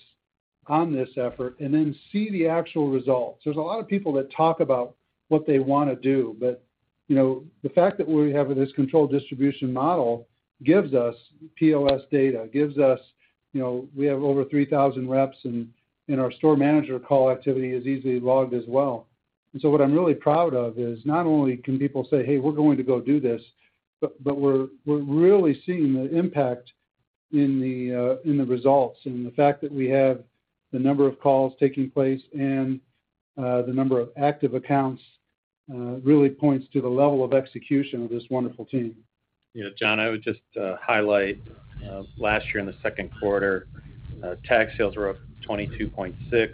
on this effort and then see the actual results. There's a lot of people that talk about what they want to do, but, you know, the fact that we have this controlled distribution model gives us POS data, gives us, you know, we have over 3,000 reps, and our store manager call activity is easily logged as well. What I'm really proud of is not only can people say, "Hey, we're going to go do this," but we're really seeing the impact in the results. The fact that we have the number of calls taking place and the number of active accounts really points to the level of execution of this wonderful team. Yeah, John, I would just highlight last year in the second quarter TAG sales were up 22.6%,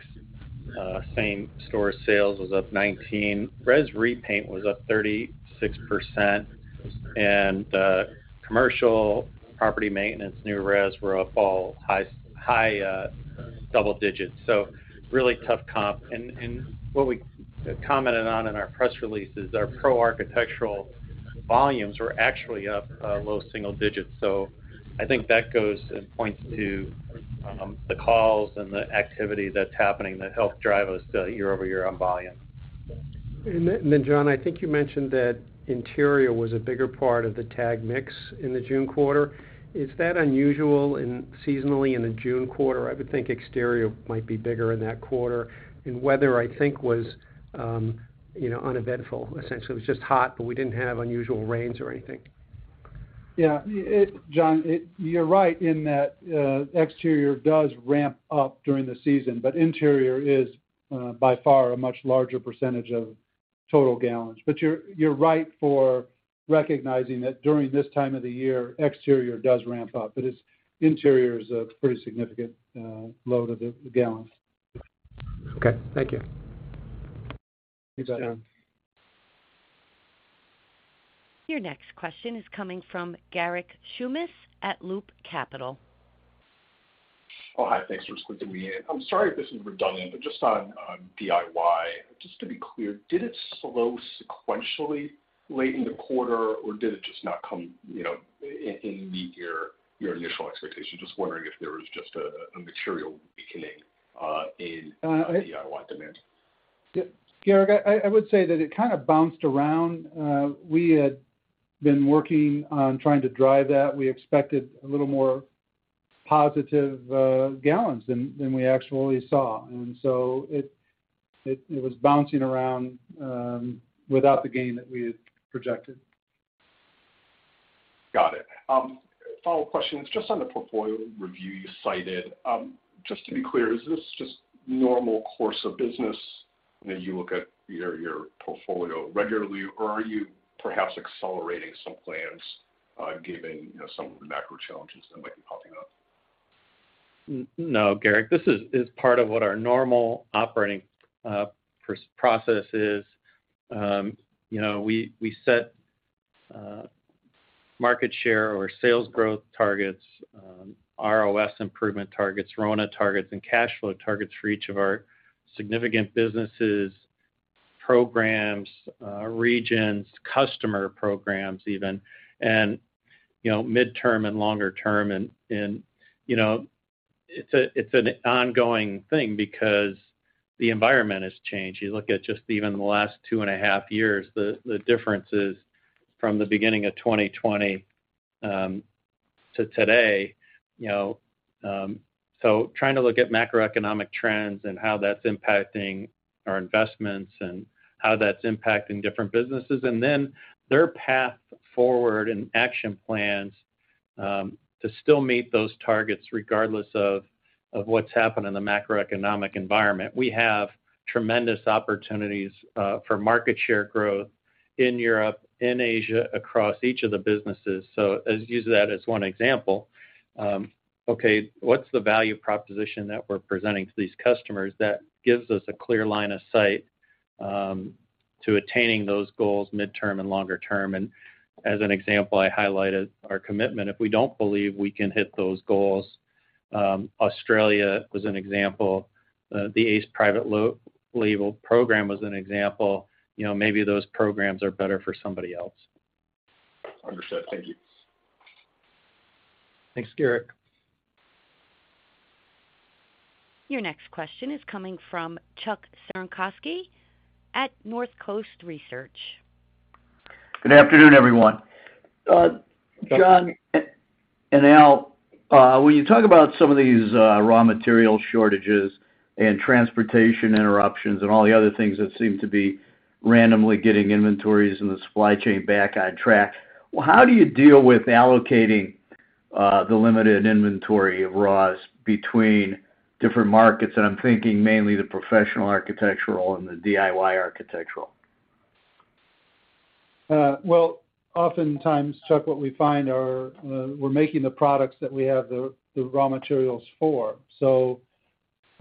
same store sales was up 19%. Res repaint was up 36%. Commercial property maintenance, new res were up all high double digits, so really tough comp. What we commented on in our press release is our Pro Architectural volumes were actually up low single digits. I think that goes and points to the calls and the activity that's happening that help drive us year-over-year on volume. John, I think you mentioned that interior was a bigger part of the TAG mix in the June quarter. Is that unusual seasonally in the June quarter? I would think exterior might be bigger in that quarter, and weather, I think was, you know, uneventful, essentially. It was just hot, but we didn't have unusual rains or anything. Yeah, John, you're right in that exterior does ramp up during the season, but interior is by far a much larger percentage of total gallons. You're right for recognizing that during this time of the year, exterior does ramp up, but it's interior is a pretty significant load of the gallons. Okay. Thank you. You bet. Thanks, John. Your next question is coming from Garik Shmois at Loop Capital. Oh, hi. Thanks for squeezing me in. I'm sorry if this is redundant, but just on DIY, just to be clear, did it slow sequentially late in the quarter, or did it just not come in to meet your initial expectations? Just wondering if there was just a material weakening in- Uh, I- DIY demand. Yeah. Garik, I would say that it kind of bounced around. We had been working on trying to drive that. We expected a little more positive gallons than we actually saw. It was bouncing around without the gain that we had projected. Got it. Follow-up question. Just on the portfolio review you cited, just to be clear, is this just normal course of business that you look at your portfolio regularly, or are you perhaps accelerating some plans, given you know some of the macro challenges that might be popping up? No, Garik, this is part of what our normal operating process is. You know, we set market share or sales growth targets, ROS improvement targets, RONA targets, and cash flow targets for each of our significant businesses, programs, regions, customer programs even, and, you know, midterm and longer term. You know, it's an ongoing thing because the environment has changed. You look at just even the last two and a half years, the differences from the beginning of 2020 to today, you know. Trying to look at macroeconomic trends and how that's impacting our investments and how that's impacting different businesses, and then their path forward and action plans to still meet those targets regardless of what's happened in the macroeconomic environment. We have tremendous opportunities for market share growth in Europe, in Asia, across each of the businesses. Use that as one example. Okay, what's the value proposition that we're presenting to these customers that gives us a clear line of sight to attaining those goals midterm and longer term? As an example, I highlighted our commitment. If we don't believe we can hit those goals, Australia was an example. The Ace private label program was an example. You know, maybe those programs are better for somebody else. Understood. Thank you. Thanks, Garik. Your next question is coming from Chuck Cerankosky at Northcoast Research. Good afternoon, everyone. John and Al, when you talk about some of these raw material shortages and transportation interruptions and all the other things that seem to be randomly getting inventories in the supply chain back on track, how do you deal with allocating the limited inventory of raws between different markets? I'm thinking mainly the professional architectural and the DIY architectural. Well, oftentimes, Chuck, what we find are, we're making the products that we have the raw materials for.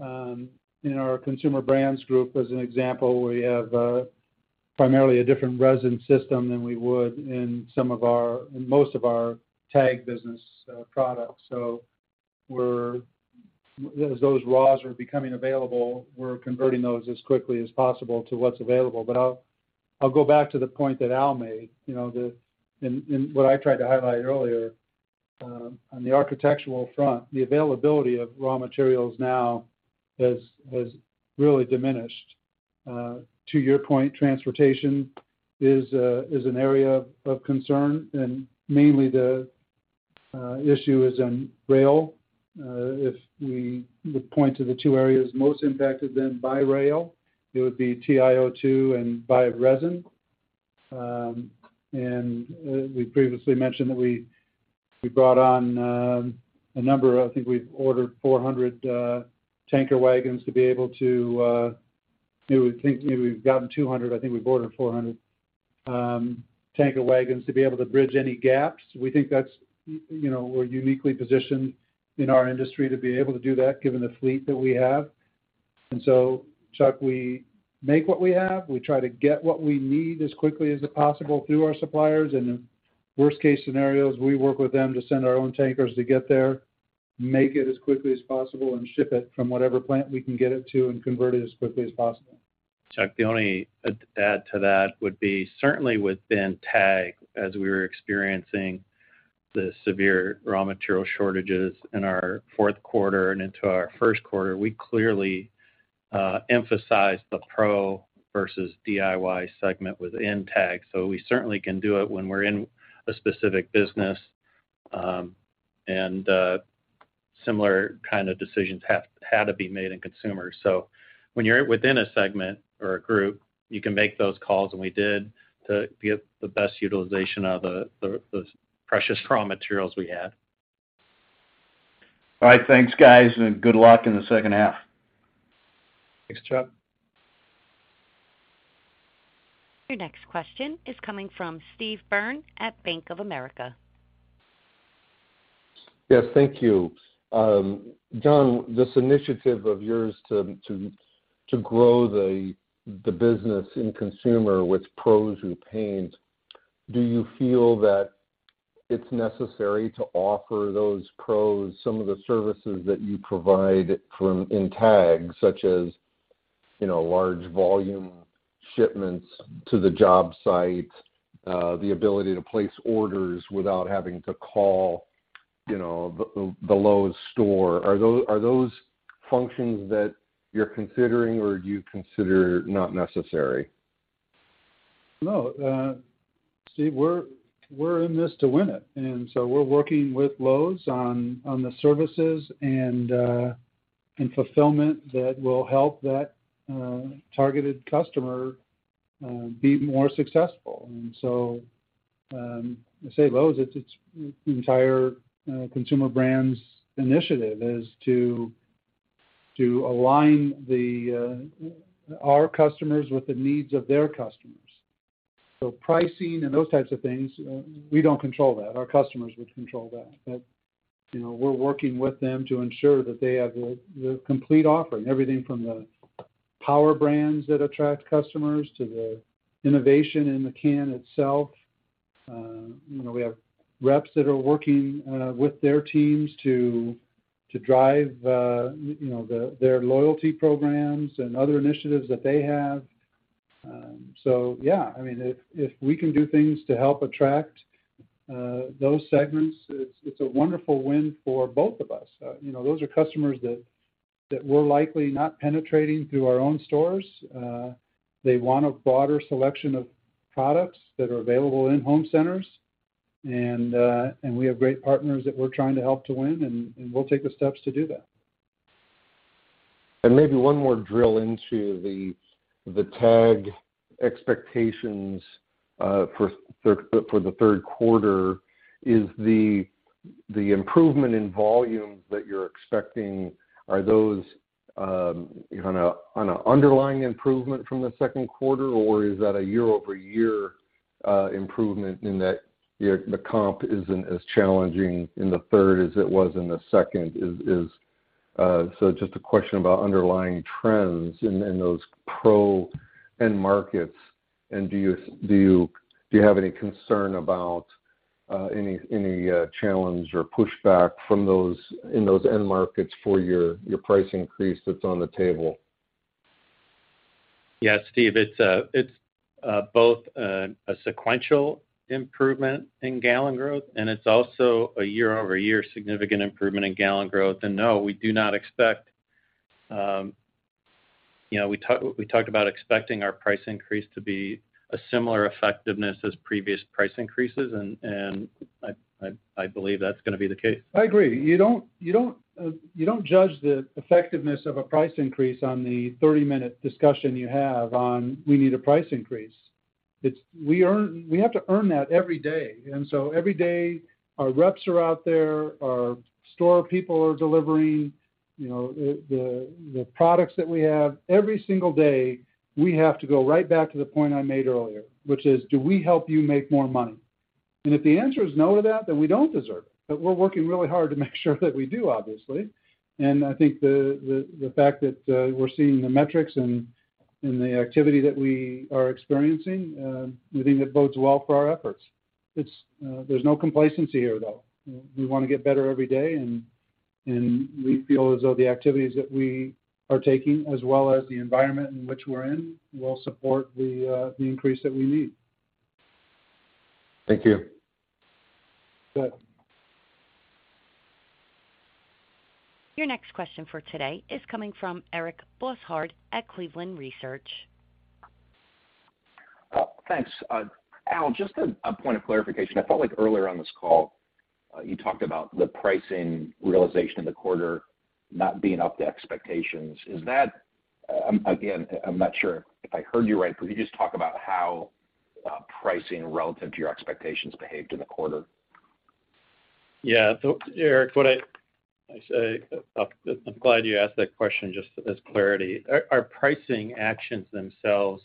In our Consumer Brands Group, as an example, we have, primarily a different resin system than we would in most of our TAG business products. As those raws are becoming available, we're converting those as quickly as possible to what's available. I'll go back to the point that Al made, you know, in what I tried to highlight earlier, on the architectural front, the availability of raw materials now has really diminished. To your point, transportation is an area of concern, and mainly the issue is on rail. If we would point to the two areas most impacted then by rail, it would be TiO2 and bio-based resin. We previously mentioned that we brought on a number. I think we've gotten 200. I think we've ordered 400 tanker wagons to be able to bridge any gaps. We think that's, you know, we're uniquely positioned in our industry to be able to do that given the fleet that we have. Chuck, we make what we have. We try to get what we need as quickly as possible through our suppliers. In worst case scenarios, we work with them to send our own tankers to get there, make it as quickly as possible and ship it from whatever plant we can get it to and convert it as quickly as possible. Chuck, the only add to that would be certainly within TAG, as we were experiencing the severe raw material shortages in our fourth quarter and into our first quarter. We clearly emphasized the pro versus DIY segment within TAG. We certainly can do it when we're in a specific business, and similar kind of decisions had to be made in Consumer. When you're within a segment or a group, you can make those calls, and we did, to get the best utilization of those precious raw materials we had. All right. Thanks, guys, and good luck in the second half. Thanks, Chuck. Your next question is coming from Steve Byrne at Bank of America. Yes, thank you. John, this initiative of yours to grow the business in Consumer with Pros Who Paint, do you feel that it's necessary to offer those pros some of the services that you provide from in TAG, such as, you know, large volume shipments to the job site, the ability to place orders without having to call, you know, the Lowe's store? Are those functions that you're considering or you consider not necessary? No, Steve, we're in this to win it. We're working with Lowe's on the services and fulfillment that will help that targeted customer be more successful. I say Lowe's, it's entire consumer brands initiative is to align our customers with the needs of their customers. Pricing and those types of things, we don't control that. Our customers would control that. You know, we're working with them to ensure that they have the complete offering, everything from the power brands that attract customers to the innovation in the can itself. You know, we have reps that are working with their teams to drive their loyalty programs and other initiatives that they have. Yeah, I mean, if we can do things to help attract those segments, it's a wonderful win for both of us. You know, those are customers that we're likely not penetrating through our own stores. They want a broader selection of products that are available in home centers, and we have great partners that we're trying to help to win, and we'll take the steps to do that. Maybe one more drill into the TAG expectations for the third quarter. Is the improvement in volumes that you're expecting on a underlying improvement from the second quarter, or is that a year-over-year improvement in that the comp isn't as challenging in the third as it was in the second? So just a question about underlying trends in those pro-end markets. Do you have any concern about any challenge or pushback from those in those end markets for your price increase that's on the table? Yeah, Steve, it's both a sequential improvement in gallon growth, and it's also a year-over-year significant improvement in gallon growth. No, we do not expect. We talked about expecting our price increase to be a similar effectiveness as previous price increases, and I believe that's gonna be the case. I agree. You don't judge the effectiveness of a price increase on the 30-minute discussion you have on we need a price increase. We have to earn that every day. Every day, our reps are out there, our store people are delivering, you know, the products that we have. Every single day, we have to go right back to the point I made earlier, which is, do we help you make more money? If the answer is no to that, then we don't deserve it. We're working really hard to make sure that we do, obviously. I think the fact that we're seeing the metrics and the activity that we are experiencing, we think that bodes well for our efforts. There's no complacency here, though. We wanna get better every day and. We feel as though the activities that we are taking as well as the environment in which we're in will support the increase that we need. Thank you. Good. Your next question for today is coming from Eric Bosshard at Cleveland Research. Thanks. Al, just a point of clarification. I felt like earlier on this call, you talked about the pricing realization in the quarter not being up to expectations. Is that, again, I'm not sure if I heard you right. Could you just talk about how pricing relative to your expectations behaved in the quarter? Yeah. Eric, what I say, I'm glad you asked that question just for clarity. Our pricing actions themselves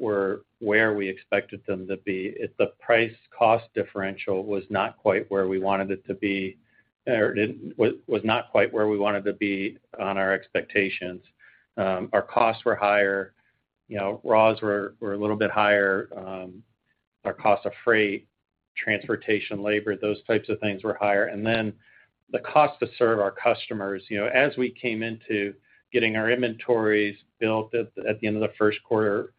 were where we expected them to be. It's the price-cost differential was not quite where we wanted it to be, was not quite where we wanted to be on our expectations. Our costs were higher, you know, raws were a little bit higher. Our cost of freight, transportation, labor, those types of things were higher. Then the cost to serve our customers, you know, as we came into getting our inventories built at the end of the first quarter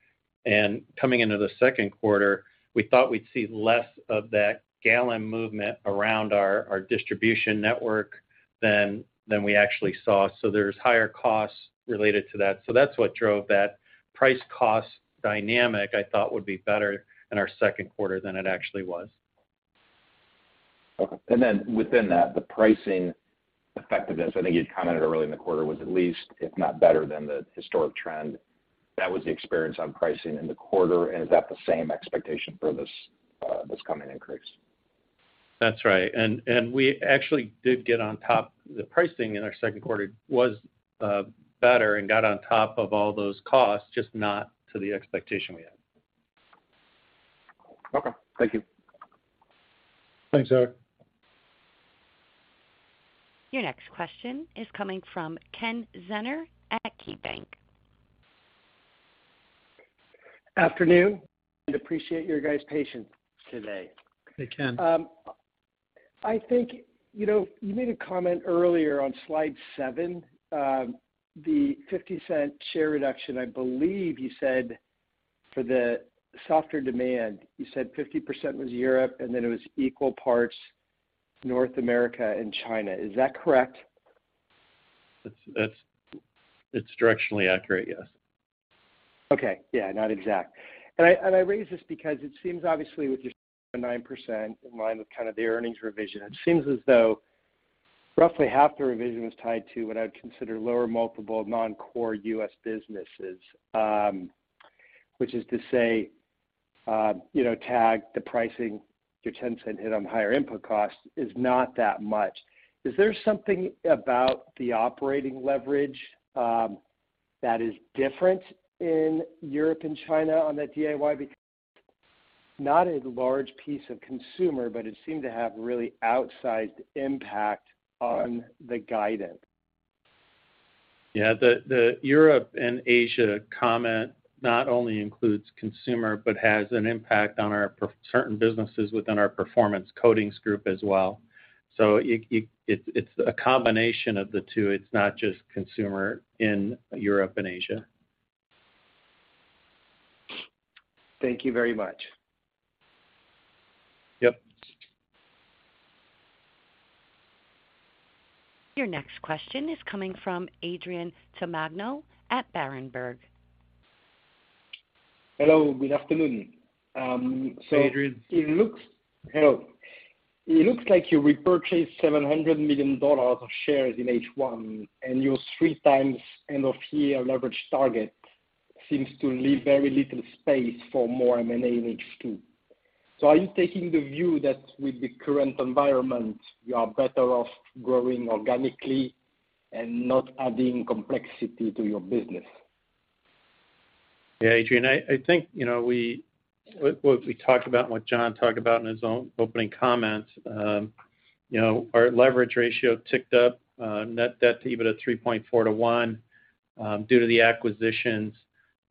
and coming into the second quarter, we thought we'd see less of that gallon movement around our distribution network than we actually saw. There's higher costs related to that. That's what drove that price cost dynamic I thought would be better in our second quarter than it actually was. Okay. Within that, the pricing effectiveness, I think you'd commented early in the quarter, was at least, if not better than the historic trend. That was the experience on pricing in the quarter, and is that the same expectation for this coming increase? That's right. We actually did get on top. The pricing in our second quarter was better and got on top of all those costs, just not to the expectation we had. Okay. Thank you. Thanks, Eric. Your next question is coming from Ken Zener at KeyBank. Afternoon, and appreciate your guys' patience today. Hey, Ken. I think, you know, you made a comment earlier on slide seven, the $0.50 share reduction, I believe you said for the softer demand, you said 50% was Europe and then it was equal parts North America and China. Is that correct? That's, it's directionally accurate, yes. Okay. Yeah, not exact. I raise this because it seems obviously with your 9% in line with kind of the earnings revision. It seems as though roughly half the revision was tied to what I would consider lower multiple non-core U.S. businesses. Which is to say, you know, TAG the pricing your $0.10 hit on higher input costs is not that much. Is there something about the operating leverage that is different in Europe and China on that DIY? Because not a large piece of consumer, but it seemed to have really outsized impact on the guidance. Yeah. The Europe and Asia comment not only includes consumer, but has an impact on our certain businesses within our Performance Coatings Group as well. It's a combination of the two. It's not just consumer in Europe and Asia. Thank you very much. Yep. Your next question is coming from Adrien Tamagno at Berenberg. Hello, good afternoon. Hi, Adrien. It looks like you repurchased $700 million of shares in H1, and your 3x end-of-year leverage target seems to leave very little space for more M&A in H2. Are you taking the view that with the current environment, you are better off growing organically and not adding complexity to your business? Adrien, I think, you know, what we talked about and what John talked about in his own opening comments, you know, our leverage ratio ticked up, net debt to EBITDA 3.4 to 1, due to the acquisitions.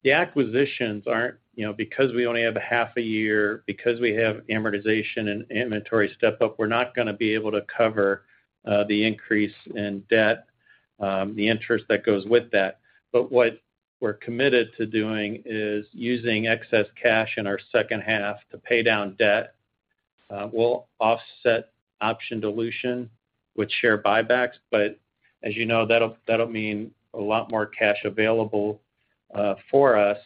The acquisitions aren't, you know, because we only have a half a year, because we have amortization and inventory step up, we're not gonna be able to cover the increase in debt, the interest that goes with that. What we're committed to doing is using excess cash in our second half to pay down debt. We'll offset option dilution with share buybacks, but as you know, that'll mean a lot more cash available for us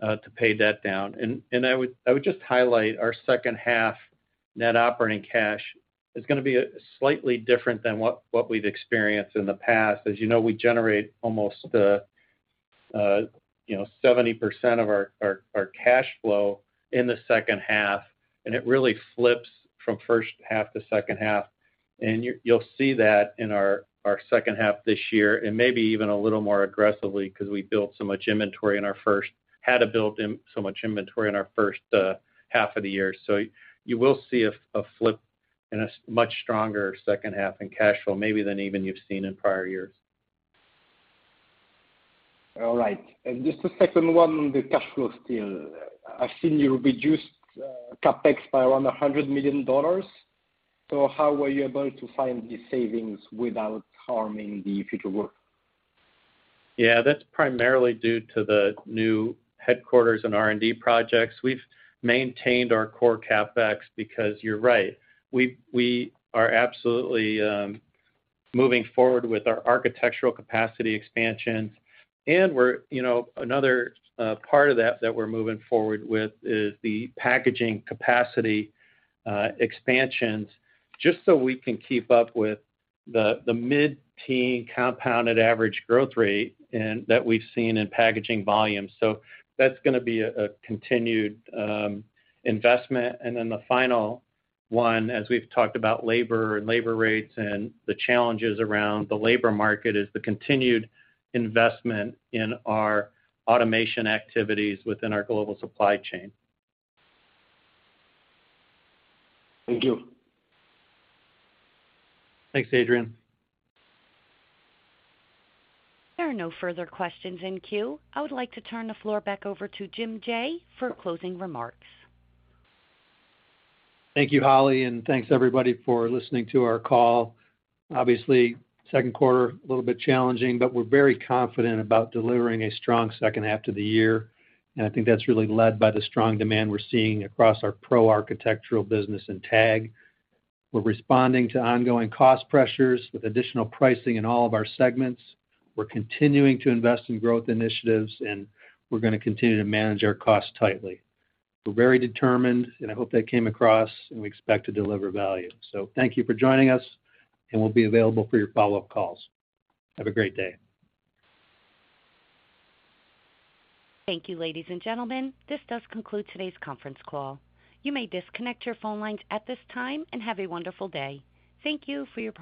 to pay debt down. I would just highlight our second half net operating cash is gonna be slightly different than what we've experienced in the past. As you know, we generate almost you know 70% of our cash flow in the second half, and it really flips from first half to second half. You'll see that in our second half this year and maybe even a little more aggressively 'cause we had to build so much inventory in our first half of the year. You will see a flip in a much stronger second half in cash flow maybe than even you've seen in prior years. All right. Just a second one on the cash flow still. I've seen you reduced CapEx by around $100 million. How were you able to find these savings without harming the future growth? Yeah, that's primarily due to the new headquarters and R&D projects. We've maintained our core CapEx because you're right, we are absolutely moving forward with our architectural capacity expansions. We're, you know, another part of that that we're moving forward with is the packaging capacity expansions, just so we can keep up with the mid-teen compounded average growth rate and that we've seen in packaging volumes. That's gonna be a continued investment. Then the final one, as we've talked about labor and labor rates and the challenges around the labor market, is the continued investment in our automation activities within our global supply chain. Thank you. Thanks, Adrien. There are no further questions in queue. I would like to turn the floor back over to Jim Jaye for closing remarks. Thank you, Holly, and thanks everybody for listening to our call. Obviously, second quarter, a little bit challenging, but we're very confident about delivering a strong second half to the year. I think that's really led by the strong demand we're seeing across our Pro Architectural business and TAG. We're responding to ongoing cost pressures with additional pricing in all of our segments. We're continuing to invest in growth initiatives, and we're gonna continue to manage our costs tightly. We're very determined, and I hope that came across, and we expect to deliver value. Thank you for joining us, and we'll be available for your follow-up calls. Have a great day. Thank you, ladies and gentlemen. This does conclude today's conference call. You may disconnect your phone lines at this time, and have a wonderful day. Thank you for your participation.